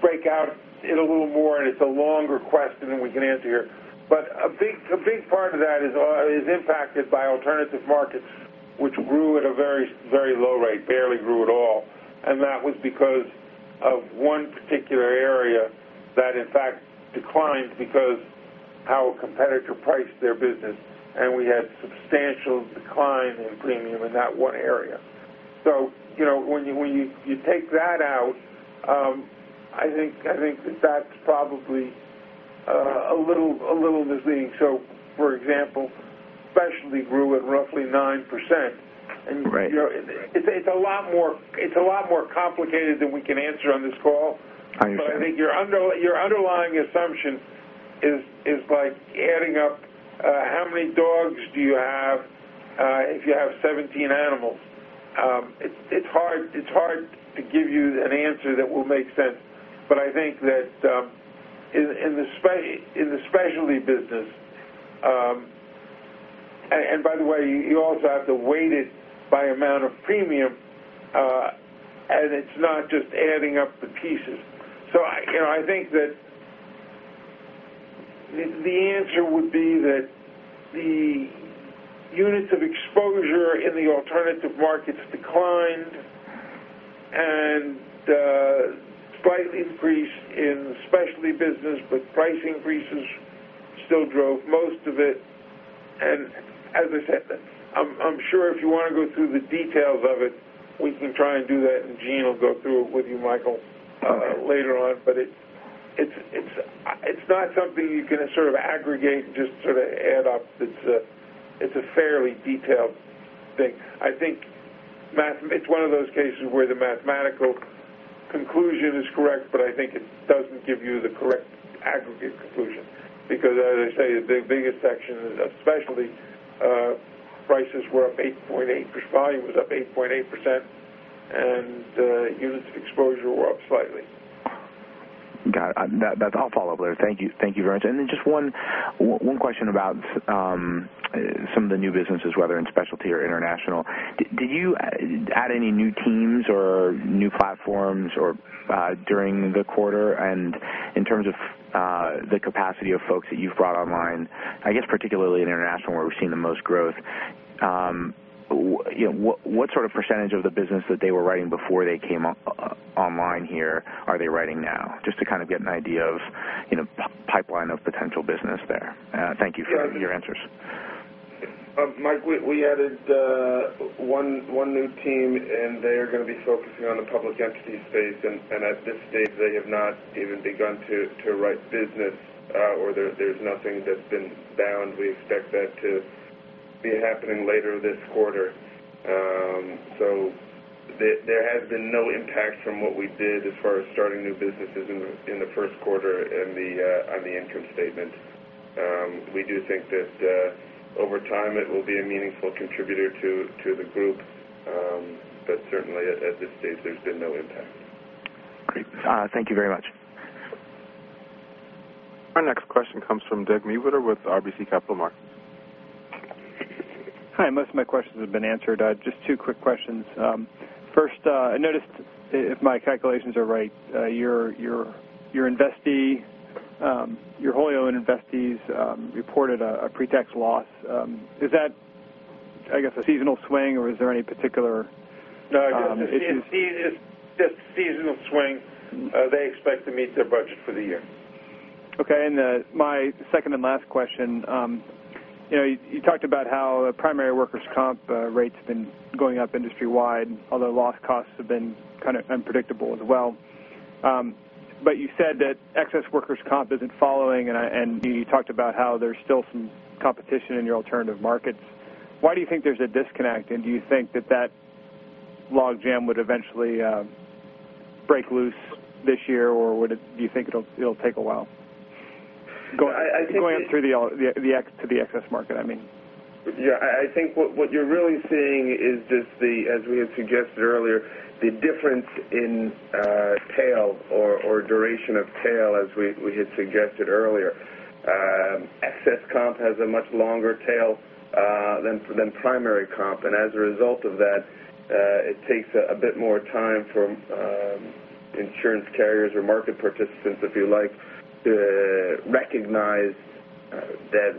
break out it a little more, and it's a longer question than we can answer here. A big part of that is impacted by alternative markets, which grew at a very low rate, barely grew at all. That was because of one particular area that, in fact, declined because how a competitor priced their business, and we had substantial decline in premium in that one area. When you take that out, I think that's probably a little misleading. For example, specialty grew at roughly 9%. Right. It's a lot more complicated than we can answer on this call. I understand. I think your underlying assumption is like adding up how many dogs do you have if you have 17 animals. It's hard to give you an answer that will make sense. I think that in the specialty business-- and by the way, you also have to weight it by amount of premium, and it's not just adding up the pieces. I think that the answer would be that the units of exposure in the alternative markets declined and slightly increased in the specialty business, price increases still drove most of it. As I said, I'm sure if you want to go through the details of it, we can try and do that, and Gene will go through it with you, Michael, later on. It's not something you can sort of aggregate and just sort of add up. It's a fairly detailed thing. I think it's one of those cases where the mathematical conclusion is correct, I think it doesn't give you the correct aggregate conclusion. As I say, the biggest section is specialty. Prices were up 8.8%, volume was up 8.8%, units of exposure were up slightly. Got it. I'll follow up later. Thank you very much. Just one question about some of the new businesses, whether in specialty or international. Did you add any new teams or new platforms during the quarter? In terms of the capacity of folks that you've brought online, I guess particularly in international, where we've seen the most growth, what sort of % of the business that they were writing before they came online here are they writing now? Just to kind of get an idea of pipeline of potential business there. Thank you for your answers. Mike, we added one new team, they are going to be focusing on the public entity space. At this stage, they have not even begun to write business, or there's nothing that's been bound. We expect that to be happening later this quarter. There has been no impact from what we did as far as starting new businesses in the first quarter on the income statement. We do think that over time, it will be a meaningful contributor to the group. Certainly, at this stage, there's been no impact. Great. Thank you very much. Our next question comes from Doug Mewhirter with RBC Capital Markets. Hi. Most of my questions have been answered. Just two quick questions. First, I noticed, if my calculations are right, your wholly owned investees reported a pre-tax loss. Is that, I guess, a seasonal swing, or is there any particular issue? No, it's just a seasonal swing. They expect to meet their budget for the year. Okay. My second and last question. You talked about how primary workers' comp rate's been going up industry-wide, although loss costs have been kind of unpredictable as well. You said that excess workers' comp isn't following, and you talked about how there's still some competition in your alternative markets. Why do you think there's a disconnect? Do you think that that logjam would eventually break loose this year, or do you think it'll take a while? Going up to the excess market, I mean. Yeah. I think what you're really seeing is just the, as we had suggested earlier, the difference in tail or duration of tail, as we had suggested earlier. Excess comp has a much longer tail than primary comp. As a result of that, it takes a bit more time for insurance carriers or market participants, if you like, to recognize that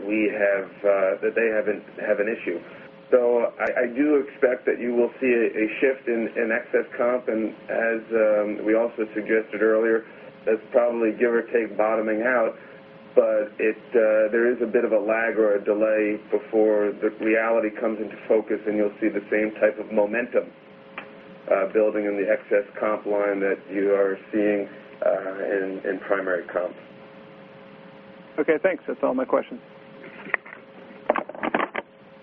they have an issue. I do expect that you will see a shift in excess comp. As we also suggested earlier, that's probably give or take bottoming out. There is a bit of a lag or a delay before the reality comes into focus and you'll see the same type of momentum building in the excess comp line that you are seeing in primary comp. Okay, thanks. That's all my questions.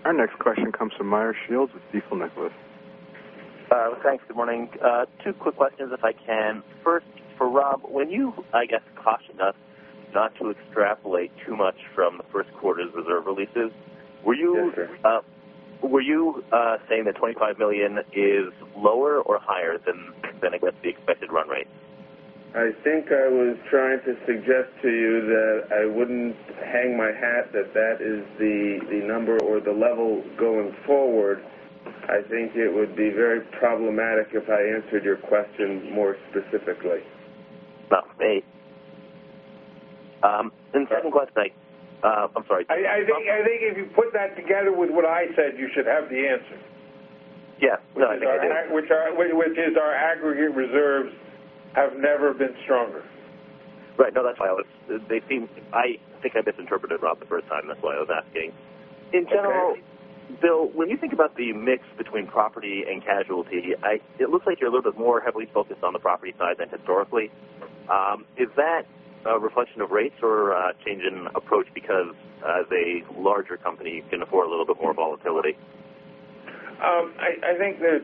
Our next question comes from Meyer Shields with Stifel Nicolaus. Thanks. Good morning. Two quick questions, if I can. First, for Rob, when you, I guess, cautioned us not to extrapolate too much from the first quarter's reserve releases, were you- Were you saying that $25 million is lower or higher than the expected run rate? I think I was trying to suggest to you that I wouldn't hang my hat that is the number or the level going forward. I think it would be very problematic if I answered your question more specifically. Not for me. Second question, I'm sorry- I think if you put that together with what I said, you should have the answer. Yeah. No, I think I do. Which is our aggregate reserves have never been stronger. Right. No, that's why I was I think I misinterpreted Rob the first time. That's why I was asking. Okay. In general, Bill, when you think about the mix between property and casualty, it looks like you're a little bit more heavily focused on the property side than historically. Is that a reflection of rates or a change in approach because as a larger company, you can afford a little bit more volatility? I think there's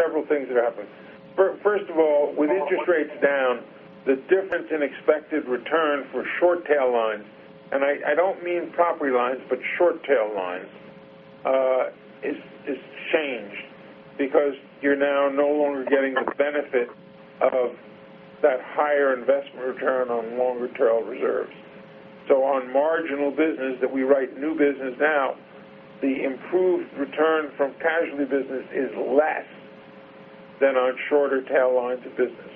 several things that are happening. First of all, with interest rates down, the difference in expected return for short tail lines, and I don't mean property lines, but short tail lines, is changed because you're now no longer getting the benefit of that higher investment return on longer tail reserves. On marginal business that we write new business now, the improved return from casualty business is less than on shorter tail lines of business.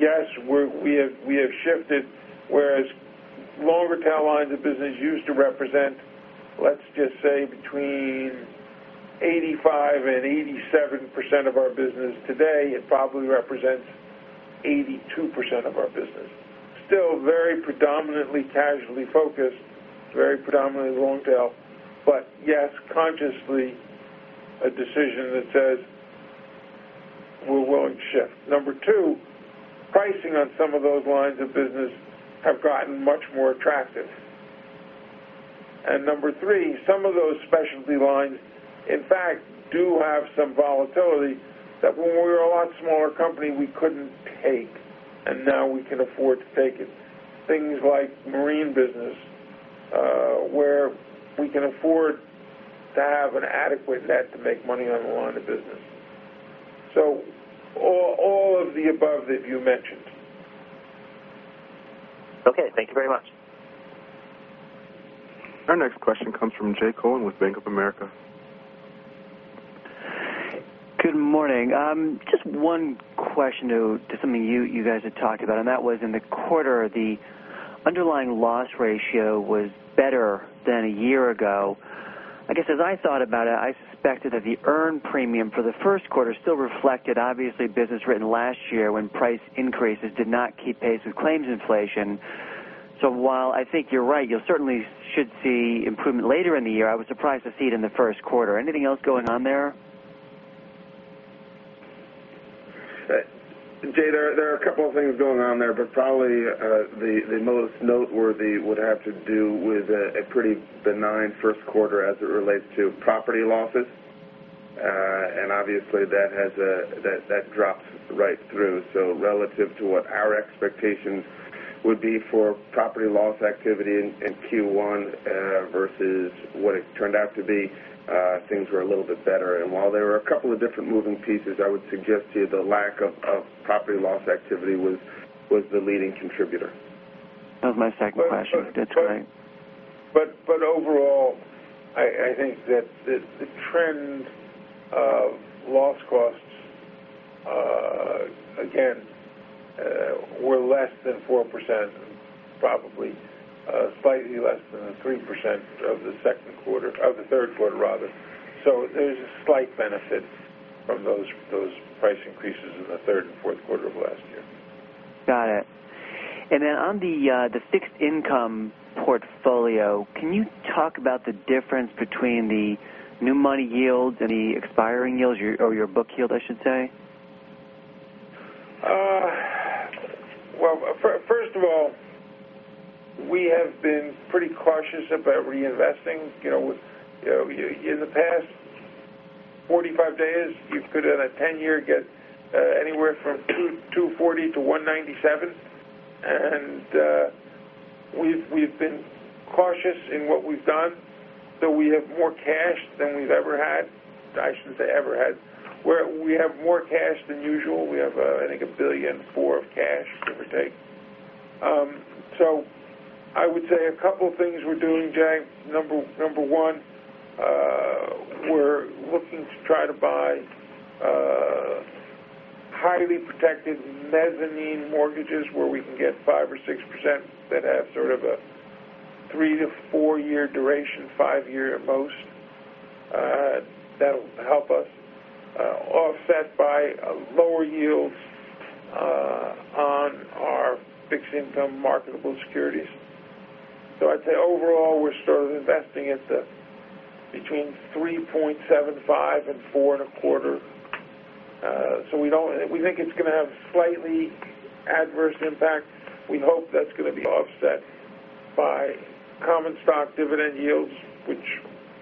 Yes, we have shifted, whereas longer tail lines of business used to represent, let's just say between 85%-87% of our business today, it probably represents 82% of our business. Still very predominantly casualty focused, very predominantly long tail, but yes, consciously a decision that says we're willing to shift. Number 2, pricing on some of those lines of business have gotten much more attractive. Number 3, some of those specialty lines, in fact, do have some volatility that when we were a lot smaller company, we couldn't take, and now we can afford to take it. Things like marine business, where we can afford to have an adequate net to make money on the line of business. All of the above that you mentioned. Okay. Thank you very much. Our next question comes from Jay Cohen with Bank of America. Good morning. Just one question to something you guys had talked about, that was in the quarter, the underlying loss ratio was better than a year ago. I guess as I thought about it, I suspected that the earned premium for the first quarter still reflected, obviously, business written last year when price increases did not keep pace with claims inflation. While I think you're right, you certainly should see improvement later in the year. I was surprised to see it in the first quarter. Anything else going on there? Jay, there are a couple of things going on there, probably the most noteworthy would have to do with a pretty benign first quarter as it relates to property losses. Obviously, that drops right through. Relative to what our expectations would be for property loss activity in Q1 versus what it turned out to be, things were a little bit better. While there were a couple of different moving pieces, I would suggest to you the lack of property loss activity was the leading contributor. That was my second question. That's fine. Overall, I think that the trend of loss costs, again, were less than 4%, probably slightly less than the 3% of the third quarter. There's a slight benefit from those price increases in the third and fourth quarter of last year. Got it. On the fixed income portfolio, can you talk about the difference between the new money yields and the expiring yields or your book yield, I should say? First of all, we have been pretty cautious about reinvesting. In the past 45 days, you could on a 10-year get anywhere from 240 to 197, we've been cautious in what we've done. We have more cash than we've ever had. I shouldn't say ever had. We have more cash than usual. We have, I think, $1.4 billion of cash, give or take. I would say a couple things we're doing, Jay. Number 1, we're looking to try to buy highly protected mezzanine mortgages where we can get 5% or 6% that have sort of a 3- to 4-year duration, 5-year at most. That'll help us offset by lower yields on our fixed income marketable securities. I'd say overall, we're sort of investing at between 3.75% and 4.25%. We think it's going to have slightly adverse impact. We hope that's going to be offset by common stock dividend yields, which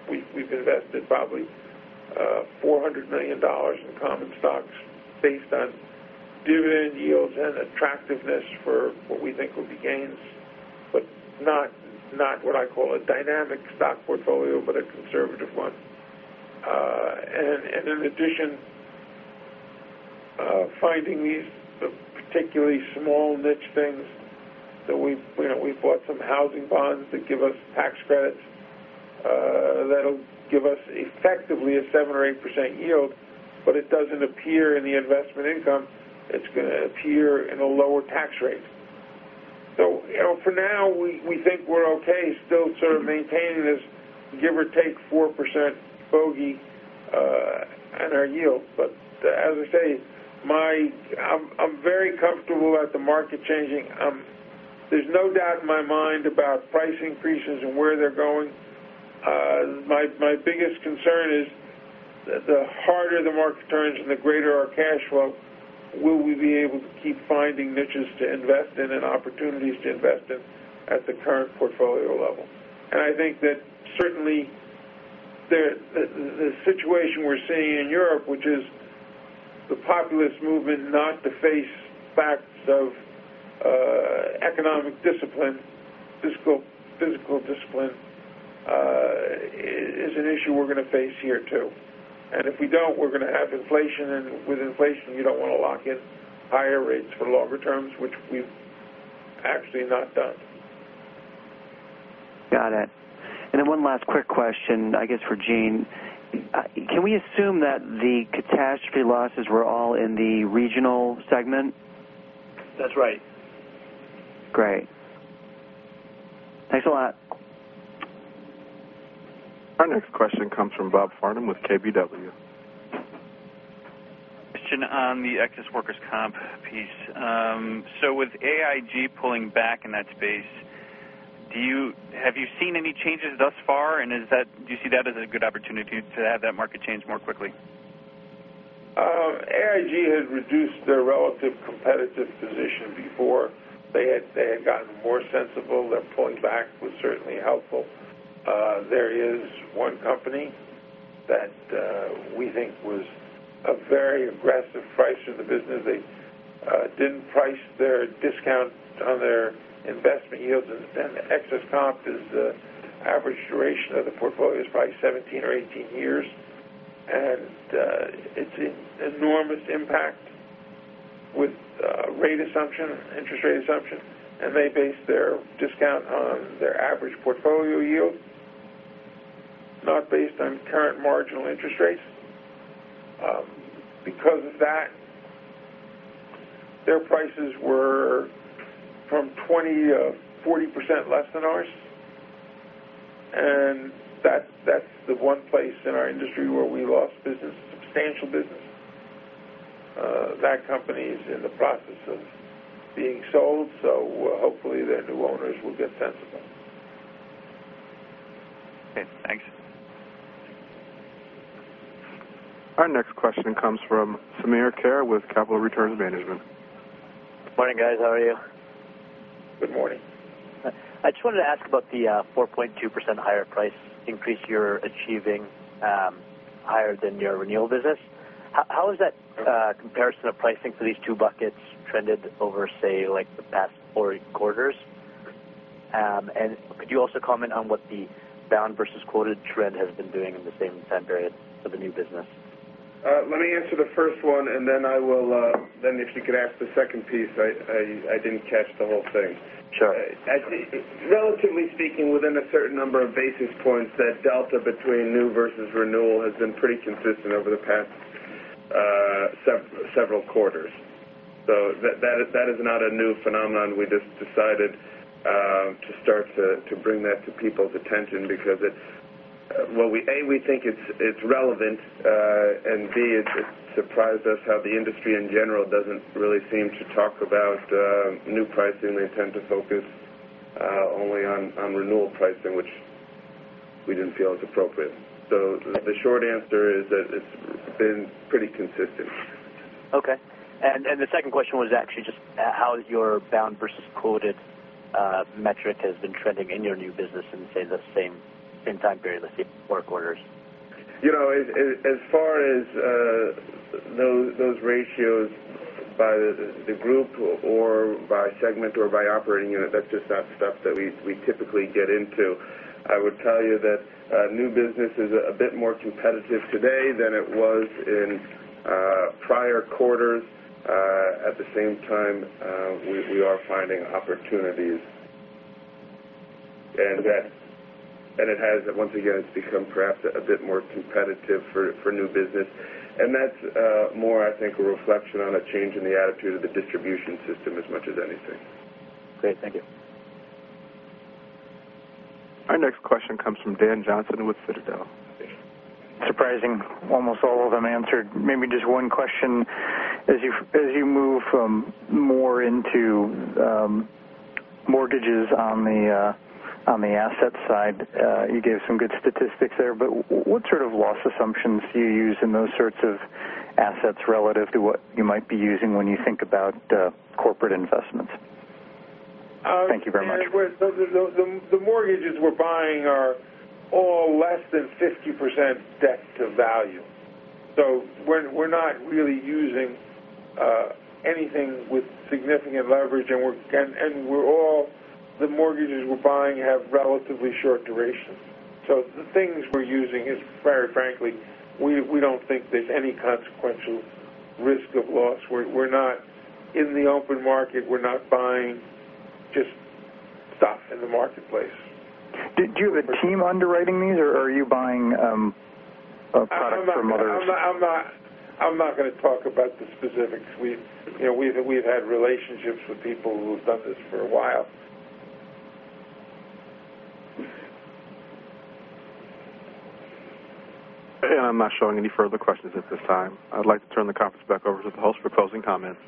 we've invested probably $400 million in common stocks based on dividend yields and attractiveness for what we think will be gains. Not what I call a dynamic stock portfolio, but a conservative one. In addition, finding these particularly small niche things that we've bought some housing bonds that give us tax credits that'll give us effectively a 7% or 8% yield, but it doesn't appear in the investment income. It's going to appear in a lower tax rate. For now, we think we're okay still sort of maintaining this give or take 4% bogey on our yield. As I say, I'm very comfortable at the market changing. There's no doubt in my mind about price increases and where they're going. My biggest concern is the harder the market turns and the greater our cash flow, will we be able to keep finding niches to invest in and opportunities to invest in at the current portfolio level? I think that certainly, the situation we're seeing in Europe, which is the populist movement, not to face facts of economic discipline, fiscal discipline, is an issue we're going to face here, too. If we don't, we're going to have inflation, and with inflation, you don't want to lock in higher rates for longer terms, which we've actually not done. Got it. Then one last quick question, I guess for Gene. Can we assume that the catastrophe losses were all in the regional segment? That's right. Great. Thanks a lot. Our next question comes from Bob Farnam with KBW. With AIG pulling back in that space, have you seen any changes thus far, and do you see that as a good opportunity to have that market change more quickly? AIG had reduced their relative competitive position before. They had gotten more sensible. Their pulling back was certainly helpful. There is one company that we think was a very aggressive pricer of the business. They didn't price their discount on their investment yields, and the excess comp is the average duration of the portfolio is probably 17 or 18 years. It's an enormous impact with rate assumption, interest rate assumption, and they base their discount on their average portfolio yield, not based on current marginal interest rates. Because of that, their prices were from 20%-40% less than ours, and that's the one place in our industry where we lost business, substantial business. That company's in the process of being sold, so hopefully their new owners will get sensible. Okay, thanks. Our next question comes from Samir Khare with Capital Returns Management. Morning, guys. How are you? Good morning. I just wanted to ask about the 4.2% higher price increase you're achieving higher than your renewal business. How has that comparison of pricing for these two buckets trended over, say, like the past four quarters? Could you also comment on what the bound versus quoted trend has been doing in the same time period for the new business? Let me answer the first one, and then if you could ask the second piece. I didn't catch the whole thing. Sure. Relatively speaking, within a certain number of basis points, that delta between new versus renewal has been pretty consistent over the past several quarters. That is not a new phenomenon. We just decided to start to bring that to people's attention because, A, we think it's relevant, and B, it surprised us how the industry in general doesn't really seem to talk about new pricing. They tend to focus only on renewal pricing, which we didn't feel is appropriate. The short answer is that it's been pretty consistent. Okay. The second question was actually just how your bound versus quoted metric has been trending in your new business in, say, the same time period, let's say four quarters. As far as those ratios by the group or by segment or by operating unit, that's just not stuff that we typically get into. I would tell you that new business is a bit more competitive today than it was in prior quarters. At the same time, we are finding opportunities. Once again, it's become perhaps a bit more competitive for new business. That's more, I think, a reflection on a change in the attitude of the distribution system as much as anything. Great. Thank you. Our next question comes from Dan Johnson with Citadel. Surprising. Almost all of them answered. Maybe just one question. As you move more into mortgages on the asset side, you gave some good statistics there, but what sort of loss assumptions do you use in those sorts of assets relative to what you might be using when you think about corporate investments? Thank you very much. The mortgages we're buying are all less than 50% debt to value. We're not really using anything with significant leverage, and the mortgages we're buying have relatively short durations. The things we're using is, very frankly, we don't think there's any consequential risk of loss. We're not in the open market. We're not buying just stuff in the marketplace. Do you have a team underwriting these, or are you buying a product from others? I'm not going to talk about the specifics. We've had relationships with people who have done this for a while. I'm not showing any further questions at this time. I'd like to turn the conference back over to the host for closing comments.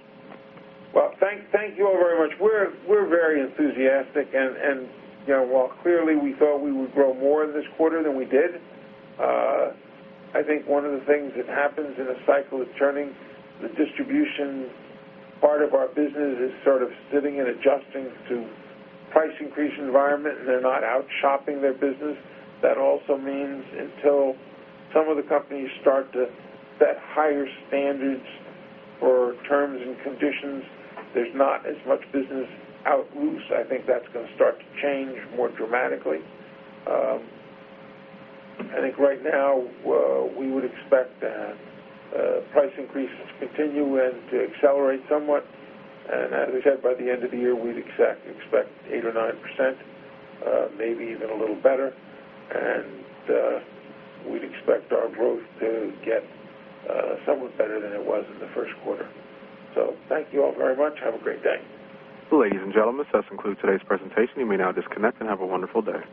Well, thank you all very much. While clearly we thought we would grow more this quarter than we did, I think one of the things that happens in a cycle is turning the distribution part of our business is sort of sitting and adjusting to price increase environment, they're not out shopping their business. That also means until some of the companies start to set higher standards for terms and conditions, there's not as much business out loose. I think that's going to start to change more dramatically. I think right now, we would expect that price increases continue and to accelerate somewhat. As I said, by the end of the year, we'd expect eight or nine %, maybe even a little better. We'd expect our growth to get somewhat better than it was in the first quarter. Thank you all very much. Have a great day. Ladies and gentlemen, this does conclude today's presentation. You may now disconnect and have a wonderful day.